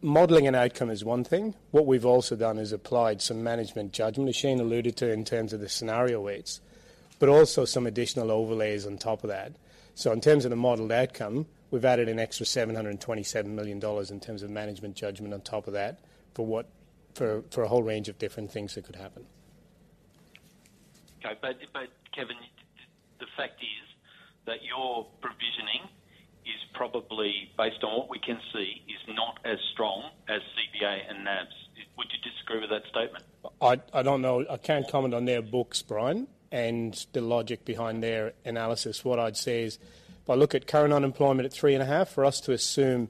modeling an outcome is one thing. What we've also done is applied some management judgment. Shayne alluded to in terms of the scenario weights, but also some additional overlays on top of that. In terms of the modeled outcome, we've added an extra 727 million dollars in terms of management judgment on top of that, for what? For a whole range of different things that could happen. Okay. Kevin, the fact is that your provisioning is probably, based on what we can see, is not as strong as CBA and NAB's. Would you disagree with that statement? I don't know. I can't comment on their books, Brian, and the logic behind their analysis. What I'd say is, if I look at current unemployment at 3.5%, for us to assume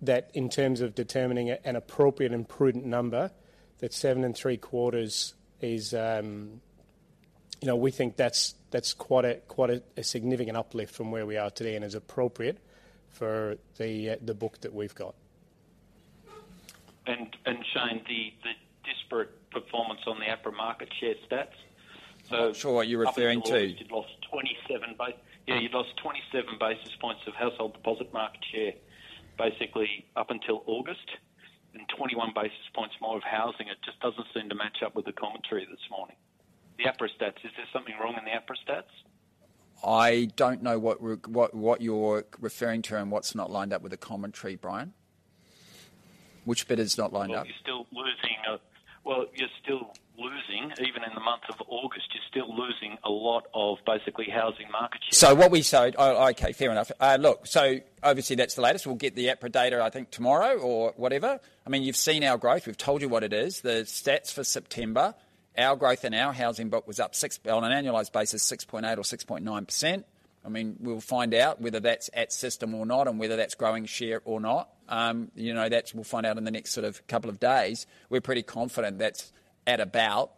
that in terms of determining an appropriate and prudent number, that 7.75% is, you know, we think that's quite a significant uplift from where we are today and is appropriate for the book that we've got. Shayne, the disparate performance on the APRA market share stats. I'm not sure what you're referring to. You've lost 27 basis points of household deposit market share basically up until August and 21 basis points more of housing. It just doesn't seem to match up with the commentary this morning. The APRA stats. Is there something wrong in the APRA stats? I don't know what you're referring to and what's not lined up with the commentary, Brian. Which bit is not lined up? Well, you're still losing, even in the month of August, you're still losing a lot of basically housing market share. Okay, fair enough. Look, obviously that's the latest. We'll get the APRA data, I think, tomorrow or whatever. I mean, you've seen our growth. We've told you what it is. The stats for September, our growth in our housing book was up 6% on an annualized basis, 6.8% or 6.9%. I mean, we'll find out whether that's at system or not, and whether that's growing share or not. You know, we'll find out in the next sort of couple of days. We're pretty confident that's at about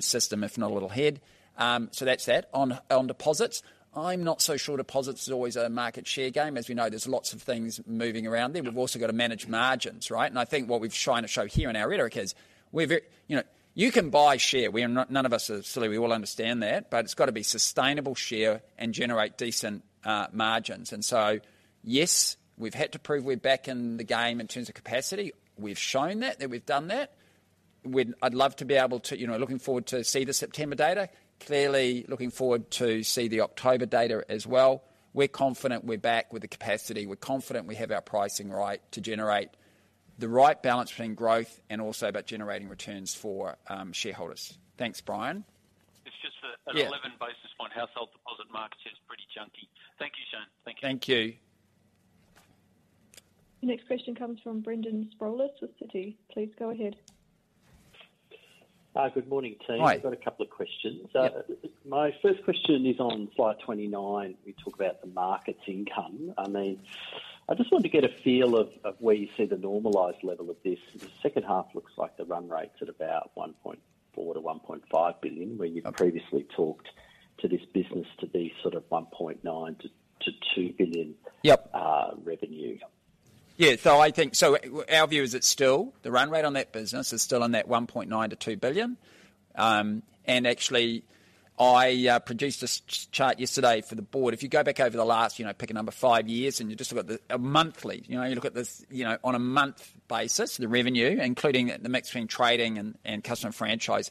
system, if not a little ahead. That's that. On deposits. I'm not so sure deposits is always a market share game. As we know, there's lots of things moving around there. We've also got to manage margins, right? I think what we're trying to show here in our rhetoric is we're. You know, you can buy shares. We are not, none of us are silly. We all understand that. But it's got to be sustainable shares and generate decent margins. Yes, we've had to prove we're back in the game in terms of capacity. We've shown that we've done that. I'd love to be able to, you know, looking forward to see the September data. Clearly looking forward to see the October data as well. We're confident we're back with the capacity. We're confident we have our pricing right to generate the right balance between growth and also about generating returns for shareholders. Thanks, Brian. It's just that. Yeah. An 11 basis point household deposit market share is pretty junky. Thank you, Shayne. Thank you. Thank you. Next question comes from Brendan Sproules with Citi. Please go ahead. Hi. Good morning, team. Hi. I've got a couple of questions. Yeah. My first question is on slide 29. We talk about the markets income. I mean, I just wanted to get a feel of where you see the normalized level of this. The second half looks like the run rate's at about 1.4 billion-1.5 billion, where you've previously talked about this business to be sort of 1.9 billion-2 billion. Yep. revenue. I think our view is it's still the run rate on that business is still on that 1.9 billion-2 billion. Actually I produced this chart yesterday for the board. If you go back over the last, pick a number, five years, and you just look at a monthly. You look at this on a month basis, the revenue, including the mix between trading and customer franchise.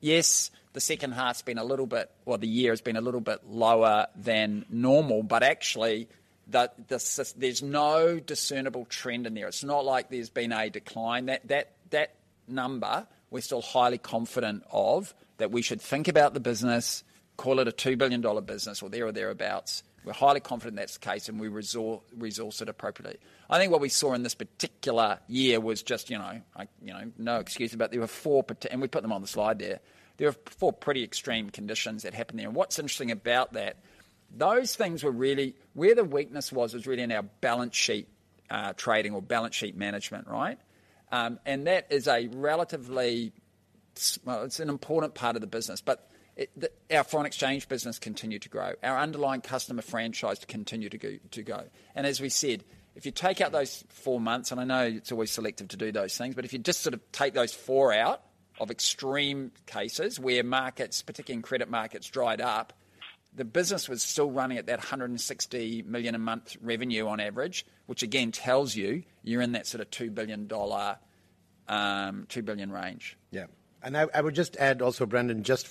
The second half's been a little bit, well, the year has been a little bit lower than normal. Actually, there's no discernible trend in there. It's not like there's been a decline. That number we're still highly confident of, that we should think about the business, call it an 2 billion dollar business or thereabouts. We're highly confident that's the case and we resource it appropriately. I think what we saw in this particular year was just, you know, no excuse, but we put them on the slide there. There were four pretty extreme conditions that happened there. What's interesting about that, where the weakness was really in our balance sheet trading or balance sheet management, right? Well, it's an important part of the business, but our foreign exchange business continued to grow. Our underlying customer franchise continued to go. As we said, if you take out those four months, and I know it's always selective to do those things, but if you just sort of take those four out of extreme cases where markets, particularly in credit markets, dried up, the business was still running at that 160 million a month revenue on average. Which again tells you you're in that sort of 2 billion dollar, 2 billion range. Yeah. I would just add also, Brendan, just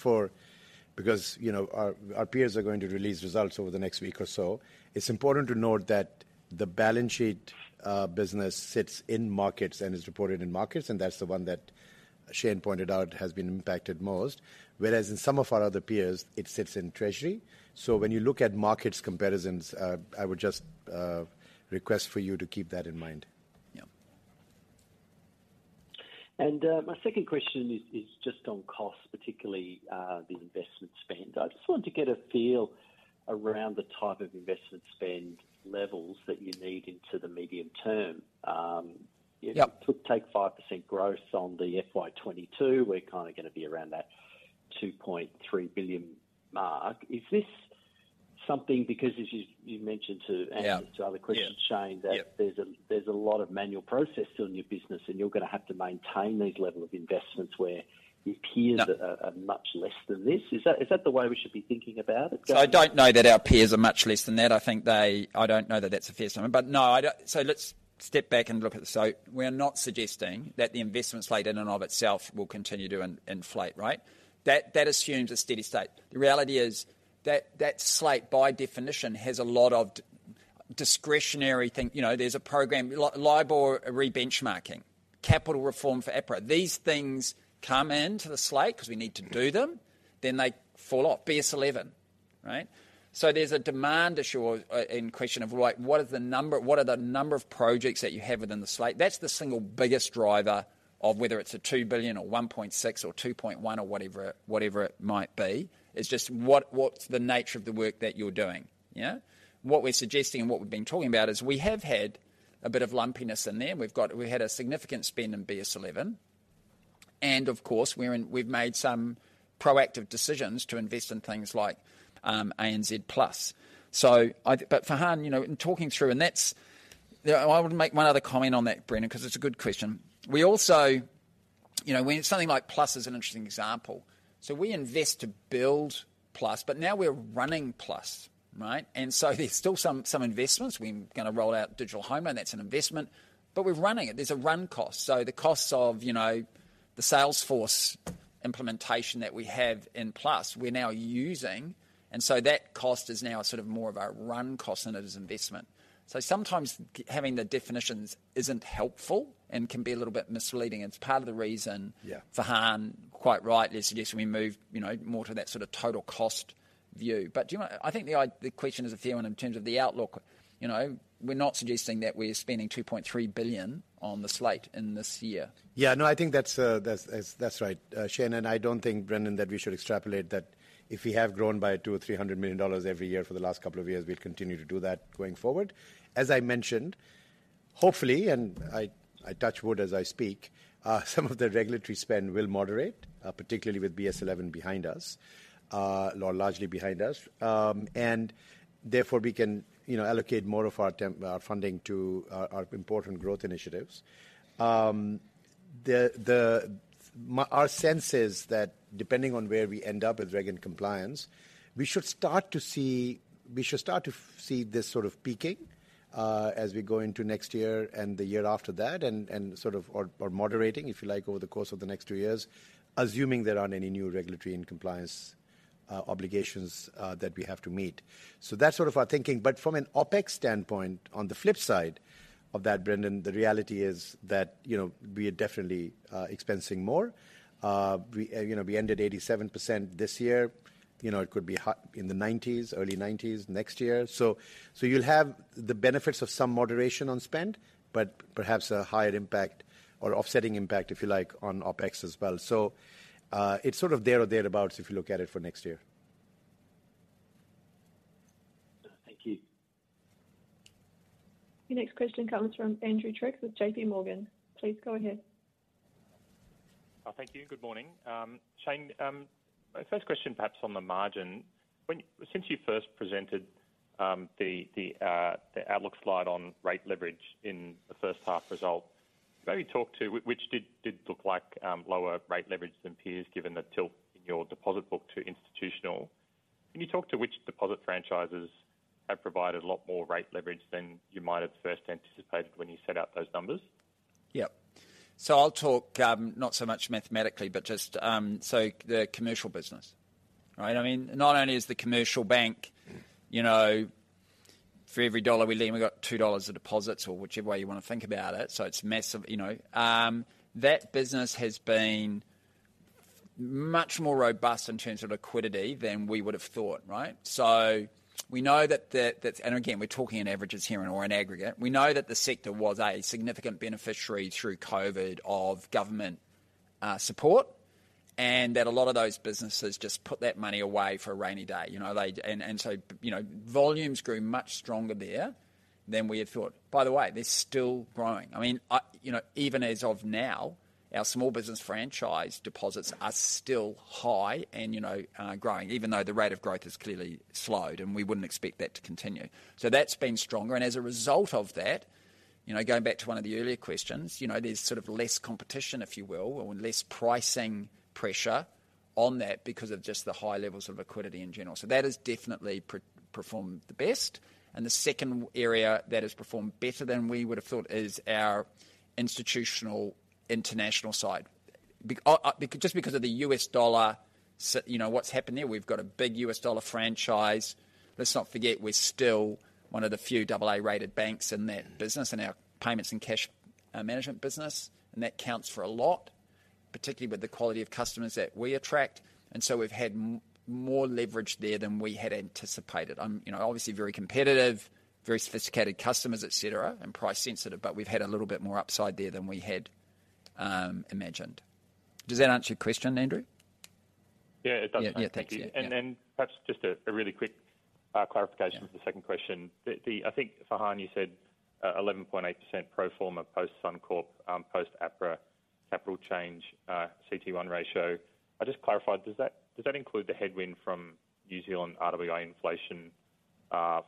because, you know, our peers are going to release results over the next week or so. It's important to note that the balance sheet business sits in markets and is reported in markets, and that's the one that Shayne pointed out has been impacted most. Whereas in some of our other peers, it sits in treasury. When you look at markets comparisons, I would just request for you to keep that in mind. Yeah. My second question is just on costs, particularly, the investment spend. I just wanted to get a feel around the type of investment spend levels that you need into the medium term. Yep. If you take 5% gross on the FY 2022, we're kind of gonna be around that 2.3 billion mark. Is this something because as you mentioned to- Yeah. to other questions, Shayne. Yeah. that there's a lot of manual process still in your business, and you're gonna have to maintain these level of investments where your peers are much less than this. Is that the way we should be thinking about it? I don't know that our peers are much less than that. I think they I don't know that that's a fair statement. No, I don't. Let's step back and look at it. We're not suggesting that the investment slate in and of itself will continue to inflate, right? That assumes a steady state. The reality is that that slate by definition has a lot of discretionary thing. You know, there's a program, LIBOR rebenchmarking, capital reform for APRA. These things come into the slate because we need to do them, then they fall off. BS11, right? There's a demand issue in question of like, what are the number of projects that you have within the slate? That's the single biggest driver of whether it's 2 billion or 1.6 billion or 2.1 billion or whatever it might be. It's just what's the nature of the work that you're doing, yeah? What we're suggesting and what we've been talking about is we have had a bit of lumpiness in there, and we had a significant spend in BS11. Of course, we've made some proactive decisions to invest in things like ANZ Plus. Farhan, you know, in talking through. You know, I would make one other comment on that, Brendan, because it's a good question. We also, you know, when something like Plus is an interesting example. We invest to build Plus, but now we're running Plus, right? There's still some investments. We're gonna roll out digital home loan, that's an investment. We're running it. There's a run cost. The costs of, you know, the Salesforce implementation that we have in Plus, we're now using. That cost is now sort of more of a run cost than it is investment. Sometimes having the definitions isn't helpful and can be a little bit misleading. It's part of the reason. Yeah. Farhan quite rightly suggested we move, you know, more to that sort of total cost view. Do you know what? I think the question is a fair one in terms of the outlook. You know, we're not suggesting that we're spending 2.3 billion on the slate in this year. Yeah. No, I think that's right, Shayne. I don't think, Brendan, that we should extrapolate that if we have grown by 200 million-300 million dollars every year for the last couple of years, we'll continue to do that going forward. As I mentioned, hopefully, I touch wood as I speak, some of the regulatory spend will moderate, particularly with BS11 behind us, or largely behind us. Therefore we can, you know, allocate more of our funding to our important growth initiatives. Our sense is that depending on where we end up with reg and compliance, we should start to see this sort of peaking as we go into next year and the year after that. Moderating, if you like, over the course of the next two years, assuming there aren't any new regulatory and compliance obligations that we have to meet. That's sort of our thinking. From an OpEx standpoint, on the flip side of that, Brendan, the reality is that, you know, we are definitely expensing more. We, you know, we ended 87% this year. You know, it could be high, in the 90s, early 90s next year. You'll have the benefits of some moderation on spend, but perhaps a higher impact or offsetting impact, if you like, on OpEx as well. It's sort of there or thereabouts if you look at it for next year. Thank you. Your next question comes from Andrew Triggs with JPMorgan. Please go ahead. Thank you. Good morning. Shayne, my first question perhaps on the margin. Since you first presented the outlook slide on rate leverage in the first half result, maybe talk to which did look like lower rate leverage than peers given the tilt in your deposit book to institutional. Can you talk to which deposit franchises have provided a lot more rate leverage than you might have first anticipated when you set out those numbers? Yeah. I'll talk not so much mathematically, but just so the commercial business, right? I mean, not only is the commercial bank, you know, for every dollar we lend, we got two dollars of deposits or whichever way you wanna think about it. It's massive, you know. That business has been much more robust in terms of liquidity than we would have thought, right? We know that the sector was a significant beneficiary through COVID of government support, and that a lot of those businesses just put that money away for a rainy day. You know, volumes grew much stronger there than we had thought. By the way, they're still growing. I mean, you know, even as of now, our small business franchise deposits are still high and, you know, growing, even though the rate of growth has clearly slowed, and we wouldn't expect that to continue. That's been stronger. As a result of that, you know, going back to one of the earlier questions, you know, there's sort of less competition, if you will, or less pricing pressure on that because of just the high levels of liquidity in general. That has definitely performed the best. The second area that has performed better than we would have thought is our institutional international side. Just because of the U.S. dollar, you know, what's happened there, we've got a big U.S. dollar franchise. Let's not forget we're still one of the few double A-rated banks in that business, in our payments and cash management business, and that counts for a lot, particularly with the quality of customers that we attract. We've had more leverage there than we had anticipated. You know, obviously very competitive, very sophisticated customers, et cetera, and price sensitive, but we've had a little bit more upside there than we had imagined. Does that answer your question, Andrew? Yeah, it does. Yeah, yeah. Thanks. Yeah. Perhaps just a really quick clarification for the second question. I think, Farhan, you said 11.8% pro forma post Suncorp, post APRA capital change, CET1 ratio. Just clarify, does that include the headwind from New Zealand RWA inflation,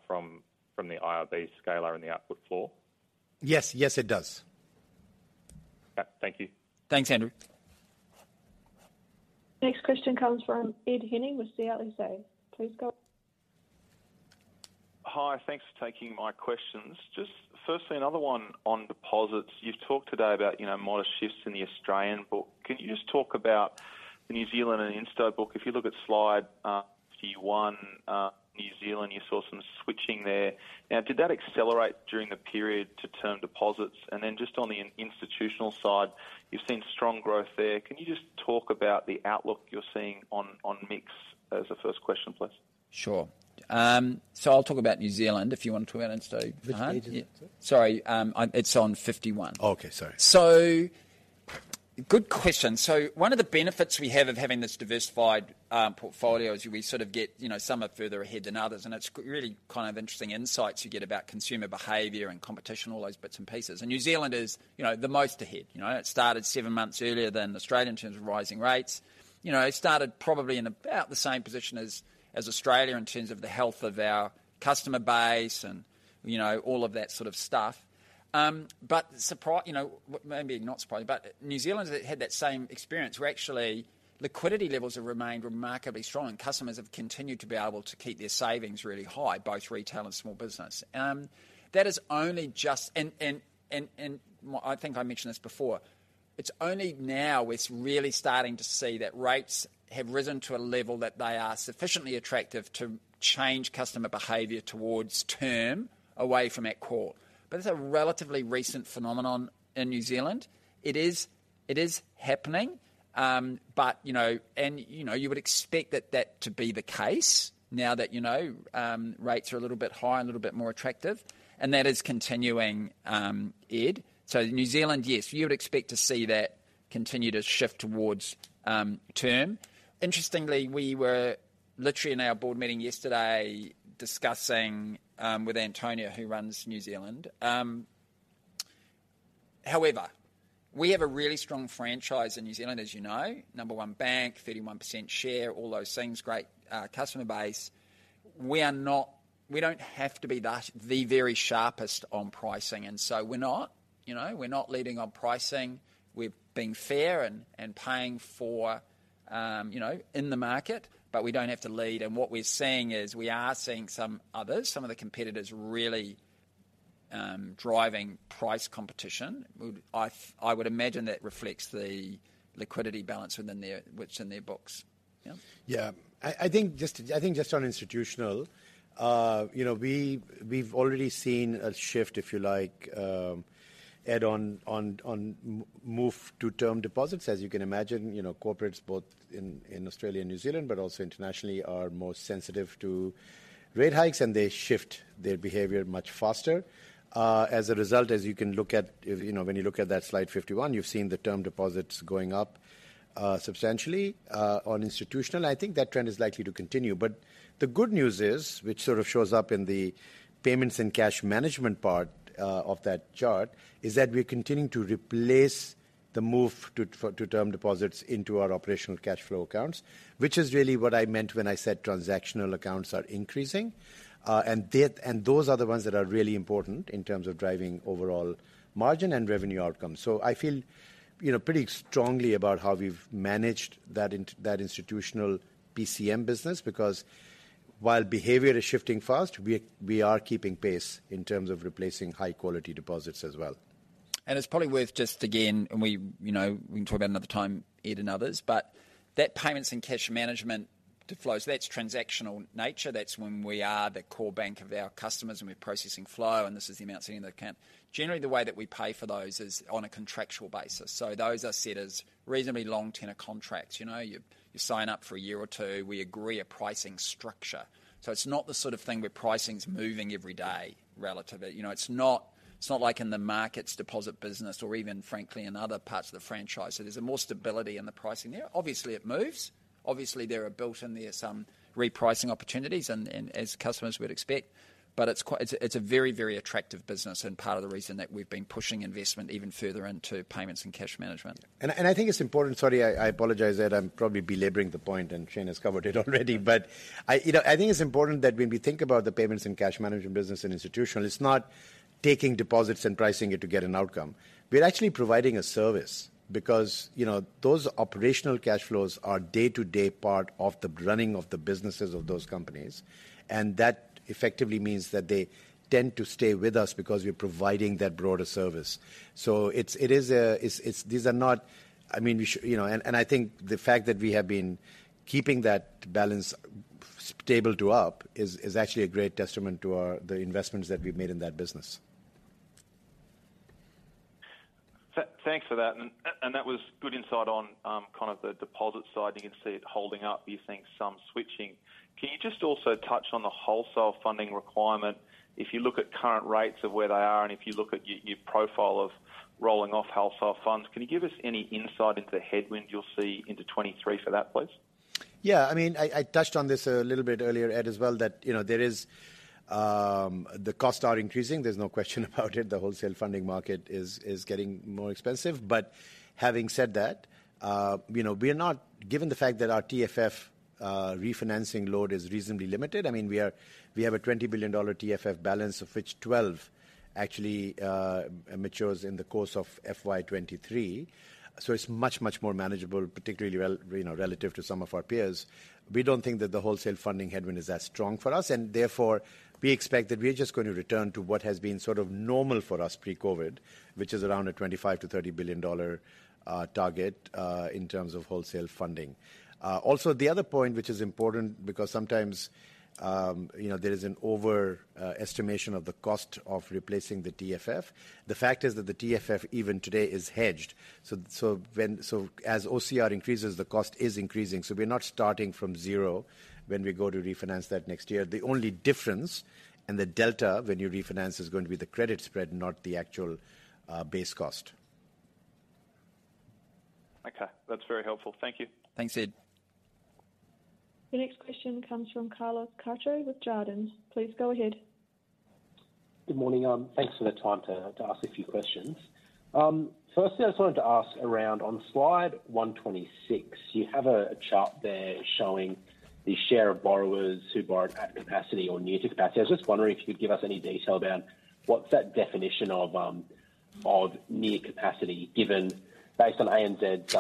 from the IRB scalar and the output floor? Yes. Yes, it does. Okay. Thank you. Thanks, Andrew. Next question comes from Ed Henning with CLSA. Please go. Hi. Thanks for taking my questions. Just firstly, another one on deposits. You've talked today about, you know, modest shifts in the Australian book. Can you just talk about the New Zealand and institutional book? If you look at slide 51, New Zealand, you saw some switching there. Now, did that accelerate during the period to term deposits? Just on the institutional side, you've seen strong growth there. Can you just talk about the outlook you're seeing on mix as a first question, please? I'll talk about New Zealand if you want to talk about ANZ, Farhan. Which page is that, sir? Sorry. It's on 51. Oh, okay. Sorry. Good question. One of the benefits we have of having this diversified portfolio is we sort of get, you know, some are further ahead than others, and it's really kind of interesting insights you get about consumer behavior and competition, all those bits and pieces. New Zealand is, you know, the most ahead. You know, it started seven months earlier than Australia in terms of rising rates. You know, it started probably in about the same position as Australia in terms of the health of our customer base and, you know, all of that sort of stuff. But you know, maybe not surprisingly, but New Zealand's had that same experience, where actually liquidity levels have remained remarkably strong. Customers have continued to be able to keep their savings really high, both retail and small business. That is only just. I think I mentioned this before. It's only now we're really starting to see that rates have risen to a level that they are sufficiently attractive to change customer behavior towards term away from at call. It's a relatively recent phenomenon in New Zealand. It is happening. You know, you would expect that to be the case now that, you know, rates are a little bit higher and a little bit more attractive, and that is continuing, Ed. New Zealand, yes, you would expect to see that continue to shift towards term. Interestingly, we were literally in our board meeting yesterday discussing with Antonio, who runs New Zealand. However, we have a really strong franchise in New Zealand, as you know. Number one bank, 31% share, all those things. Great customer base. We don't have to be the very sharpest on pricing, and so we're not. You know, we're not leading on pricing. We're being fair and paying fairly, you know, in the market, but we don't have to lead. What we're seeing is we are seeing some others, some of the competitors really driving price competition. I would imagine that reflects the liquidity balance within what's in their books. Yeah. I think just on Institutional, you know, we've already seen a shift, if you like, Ed, on the move to term deposits. As you can imagine, you know, corporates both in Australia and New Zealand, but also internationally, are more sensitive to rate hikes, and they shift their behavior much faster. As a result, you can look at, you know, when you look at that slide 51, you've seen the term deposits going up substantially on Institutional. I think that trend is likely to continue. The good news is, which sort of shows up in the payments and cash management part of that chart, is that we're continuing to replace the move to term deposits into our operational cash flow accounts, which is really what I meant when I said transactional accounts are increasing. Those are the ones that are really important in terms of driving overall margin and revenue outcomes. I feel, you know, pretty strongly about how we've managed that institutional PCM business because while behavior is shifting fast, we are keeping pace in terms of replacing high-quality deposits as well. It's probably worth just, again, and we, you know, we can talk about another time, Ed and others, but that payments and cash management flows, that's transactional nature. That's when we are the core bank of our customers, and we're processing flow, and this is the amount sitting in the account. Generally, the way that we pay for those is on a contractual basis. So those are set as reasonably long tenure contracts. You know, you sign up for a year or two. We agree a pricing structure. So it's not the sort of thing where pricing's moving every day relatively. You know, it's not like in the markets deposit business or even frankly in other parts of the franchise. So there's a more stability in the pricing there. Obviously, it moves. Obviously, there are built in there some repricing opportunities and as customers would expect. It's a very attractive business and part of the reason that we've been pushing investment even further into payments and cash management. I think it's important. Sorry, I apologize, Ed. I'm probably belaboring the point, and Shayne has covered it already. You know, I think it's important that when we think about the payments and cash management business and institutional, it's not taking deposits and pricing it to get an outcome. We're actually providing a service because, you know, those operational cash flows are day-to-day part of the running of the businesses of those companies. That effectively means that they tend to stay with us because we're providing that broader service. You know, I think the fact that we have been keeping that balance stable to up is actually a great testament to our investments that we've made in that business. Thanks for that. That was good insight on kind of the deposit side. You can see it holding up. You're seeing some switching. Can you just also touch on the wholesale funding requirement? If you look at current rates where they are, and if you look at your profile of rolling off wholesale funds, can you give us any insight into the headwind you'll see into 2023 for that, please? Yeah. I mean, I touched on this a little bit earlier, Ed, as well, that, you know, there is, the costs are increasing. There's no question about it. The wholesale funding market is getting more expensive. But having said that, you know, we are not, given the fact that our TFF refinancing load is reasonably limited. I mean, we have an 20 billion dollar TFF balance of which 12 billion actually matures in the course of FY 2023. So it's much more manageable, particularly relative to some of our peers. We don't think that the wholesale funding headwind is as strong for us, and therefore we expect that we're just going to return to what has been sort of normal for us pre-COVID, which is around 25 billion-30 billion dollar target in terms of wholesale funding. Also the other point, which is important because sometimes, you know, there is an overestimation of the cost of replacing the TFF. The fact is that the TFF even today is hedged. So as OCR increases, the cost is increasing. So we're not starting from zero when we go to refinance that next year. The only difference and the delta when you refinance is going to be the credit spread, not the actual base cost. Okay. That's very helpful. Thank you. Thanks, Ed. The next question comes from Carlos Cacho with Jarden. Please go ahead. Good morning. Thanks for the time to ask a few questions. Firstly, I just wanted to ask around on slide 126, you have a chart there showing the share of borrowers who borrowed at capacity or near to capacity. I was just wondering if you could give us any detail about what's that definition of near capacity given based on ANZ's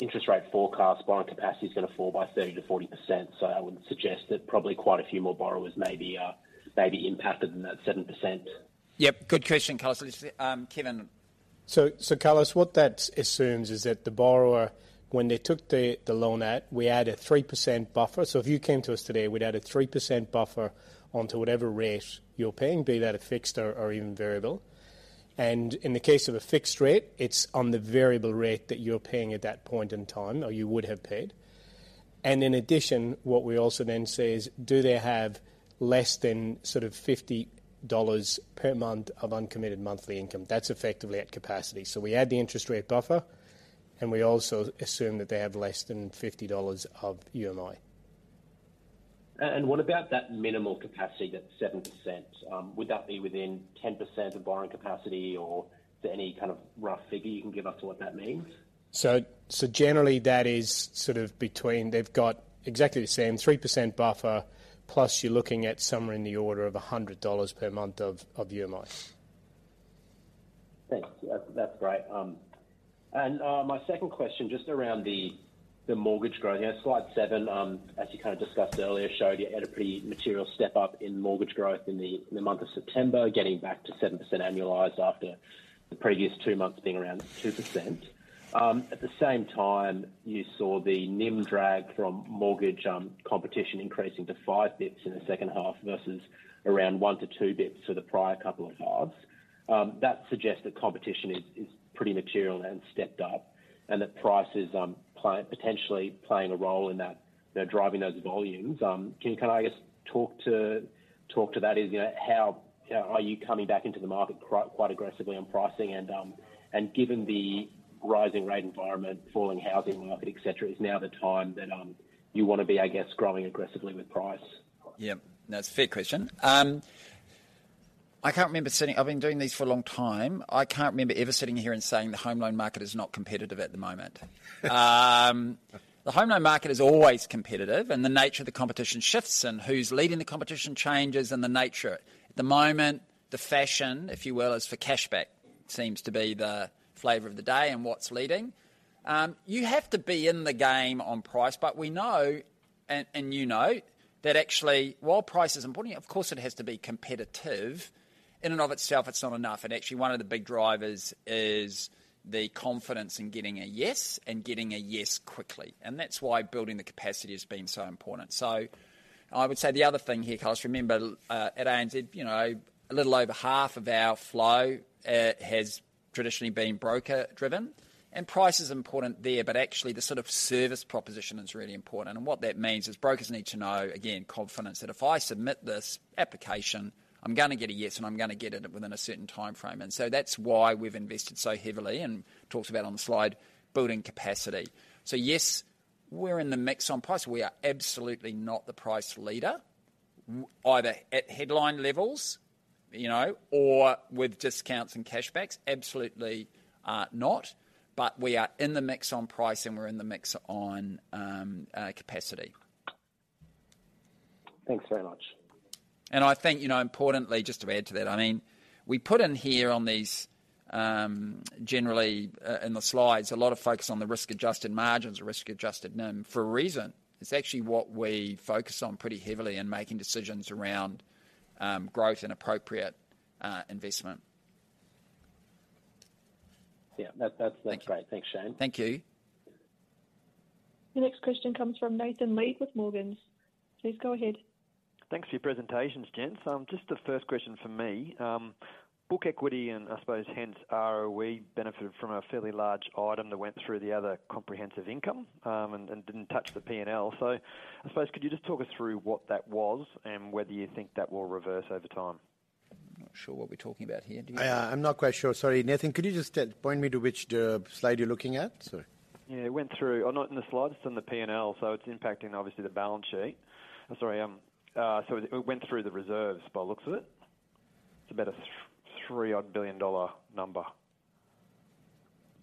interest rate forecast, borrowing capacity is gonna fall by 30%-40%. I would suggest that probably quite a few more borrowers may be impacted than that 7%. Yep, good question, Carlos. Kevin? Carlos, what that assumes is that the borrower, when they took the loan out, we add a 3% buffer. If you came to us today, we'd add a 3% buffer onto whatever rate you're paying, be that a fixed or even variable. In the case of a fixed rate, it's on the variable rate that you're paying at that point in time, or you would have paid. In addition, what we also then say is do they have less than sort of 50 dollars per month of uncommitted monthly income? That's effectively at capacity. We add the interest rate buffer, and we also assume that they have less than 50 dollars of UMI. What about that minimal capacity, that 7%, would that be within 10% of borrowing capacity or is there any kind of rough figure you can give us to what that means? Generally that is sort of between. They've got exactly the same 3% buffer, plus you're looking at somewhere in the order of 100 dollars per month of UMI. Thanks. That's great. My second question, just around the mortgage growth. You know, slide seven, as you kind of discussed earlier, showed you had a pretty material step up in mortgage growth in the month of September, getting back to 7% annualized after the previous two months being around 2%. At the same time, you saw the NIM drag from mortgage competition increasing to five basis points in the second half versus around one to two basis points for the prior couple of halves. That suggests that competition is pretty material and stepped up, and that price is potentially playing a role in that. They're driving those volumes. Can I just talk to that? You know, how are you coming back into the market quite aggressively on pricing and, given the rising rate environment, falling housing market, et cetera, is now the time that you wanna be, I guess, growing aggressively with price? Yeah. No, it's a fair question. I've been doing these for a long time. I can't remember ever sitting here and saying the home loan market is not competitive at the moment. The home loan market is always competitive, and the nature of the competition shifts and who's leading the competition changes and the nature. At the moment, the fashion, if you will, is for cashback seems to be the flavor of the day and what's leading. You have to be in the game on price, but we know, and you know that actually while price is important, of course it has to be competitive, in and of itself it's not enough. Actually one of the big drivers is the confidence in getting a yes and getting a yes quickly. That's why building the capacity has been so important. I would say the other thing here, Carlos, remember, at ANZ, you know, a little over half of our flow has traditionally been broker driven. Price is important there, but actually the sort of service proposition is really important. What that means is brokers need to know, again, confidence, that if I submit this application, I'm gonna get a yes, and I'm gonna get it within a certain timeframe. That's why we've invested so heavily and talked about on the slide building capacity. Yes, we're in the mix on price. We are absolutely not the price leader either at headline levels, you know, or with discounts and cashbacks. Absolutely not. We are in the mix on price, and we're in the mix on capacity. Thanks very much. I think, you know, importantly, just to add to that, I mean, we put in here on these, generally, in the slides, a lot of focus on the risk-adjusted margins or risk-adjusted NIM for a reason. It's actually what we focus on pretty heavily in making decisions around, growth and appropriate, investment. Yeah. That's great. Thank you. Thanks, Shayne. Thank you. The next question comes from Nathan Lead with Morgans. Please go ahead. Thanks for your presentations, gents. Just the first question from me. Book equity and I suppose hence ROE benefited from a fairly large item that went through the other comprehensive income, and didn't touch the P&L. I suppose could you just talk us through what that was and whether you think that will reverse over time? Not sure what we're talking about here. Do you? I'm not quite sure. Sorry. Nathan, could you just point me to which slide you're looking at? Sorry. It went through or not in the slides. It's in the P&L, so it's impacting obviously the balance sheet. It went through the reserves by the looks of it. It's about 3 billion dollar.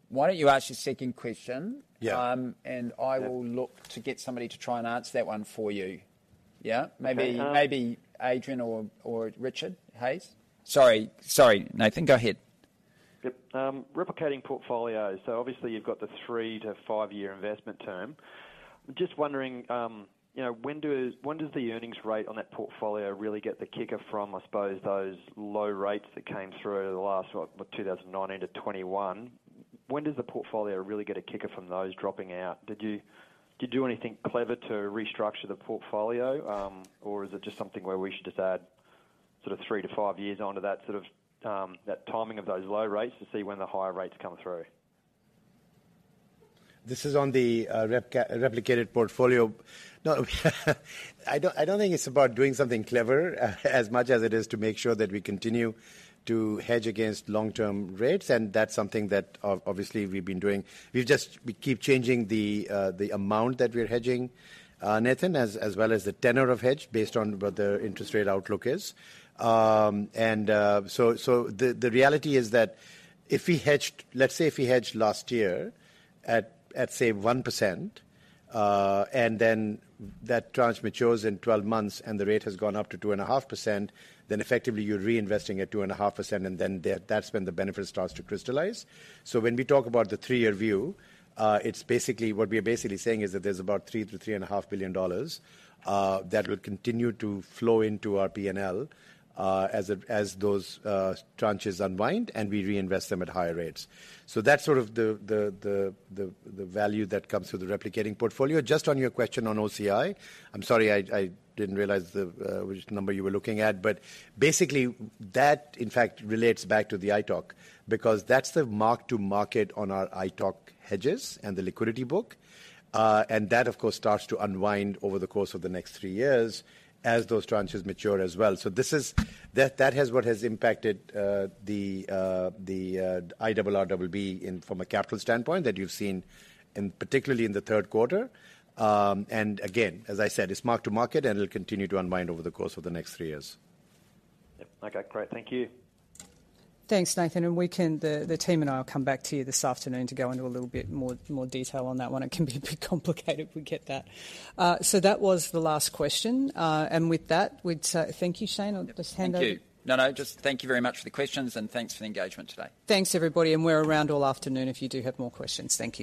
Why don't you ask your second question? Yeah. I will look to get somebody to try and answer that one for you. Yeah? Okay. Maybe Adrian or Richard Yetsenga. Sorry, Nathan, go ahead. Yep. Replicating portfolios. Obviously you've got the three-five year investment term. Just wondering, when does the earnings rate on that portfolio really get the kicker from, I suppose, those low rates that came through the last 2019-2021? When does the portfolio really get a kicker from those dropping out? Did you do anything clever to restructure the portfolio, or is it just something where we should just add sort of three-five years onto that sort of, that timing of those low rates to see when the higher rates come through? This is on the replicated portfolio. No, I don't think it's about doing something clever, as much as it is to make sure that we continue to hedge against long-term rates, and that's something that obviously we've been doing. We keep changing the amount that we're hedging, Nathan, as well as the tenor of hedge based on what the interest rate outlook is. The reality is that if we hedged, let's say if we hedged last year at 1%, and then that tranche matures in 12 months and the rate has gone up to 2.5%, then effectively you're reinvesting at 2.5%, and then that's when the benefit starts to crystallize. When we talk about the three-year view, it's basically, what we're basically saying is that there's about 3 billion-3.5 billion dollars that will continue to flow into our P&L, as those tranches unwind, and we reinvest them at higher rates. That's sort of the value that comes with the replicating portfolio. Just on your question on OCI, I'm sorry I didn't realize which number you were looking at, but basically that in fact relates back to the ITOC, because that's the mark-to-market on our ITOC hedges and the liquidity book. That of course starts to unwind over the course of the next three years as those tranches mature as well. That is what has impacted the IRRBB from a capital standpoint that you've seen in, particularly in the Q3. Again, as I said, it's mark to market, and it'll continue to unwind over the course of the next three years. Yep. Okay, great. Thank you. Thanks, Nathan, the team and I will come back to you this afternoon to go into a little bit more detail on that one. It can be a bit complicated. We get that. That was the last question. With that, we'd say thank you, Shayne. I'll just hand over. Thank you. No, no, just thank you very much for the questions, and thanks for the engagement today. Thanks, everybody, and we're around all afternoon if you do have more questions. Thank you.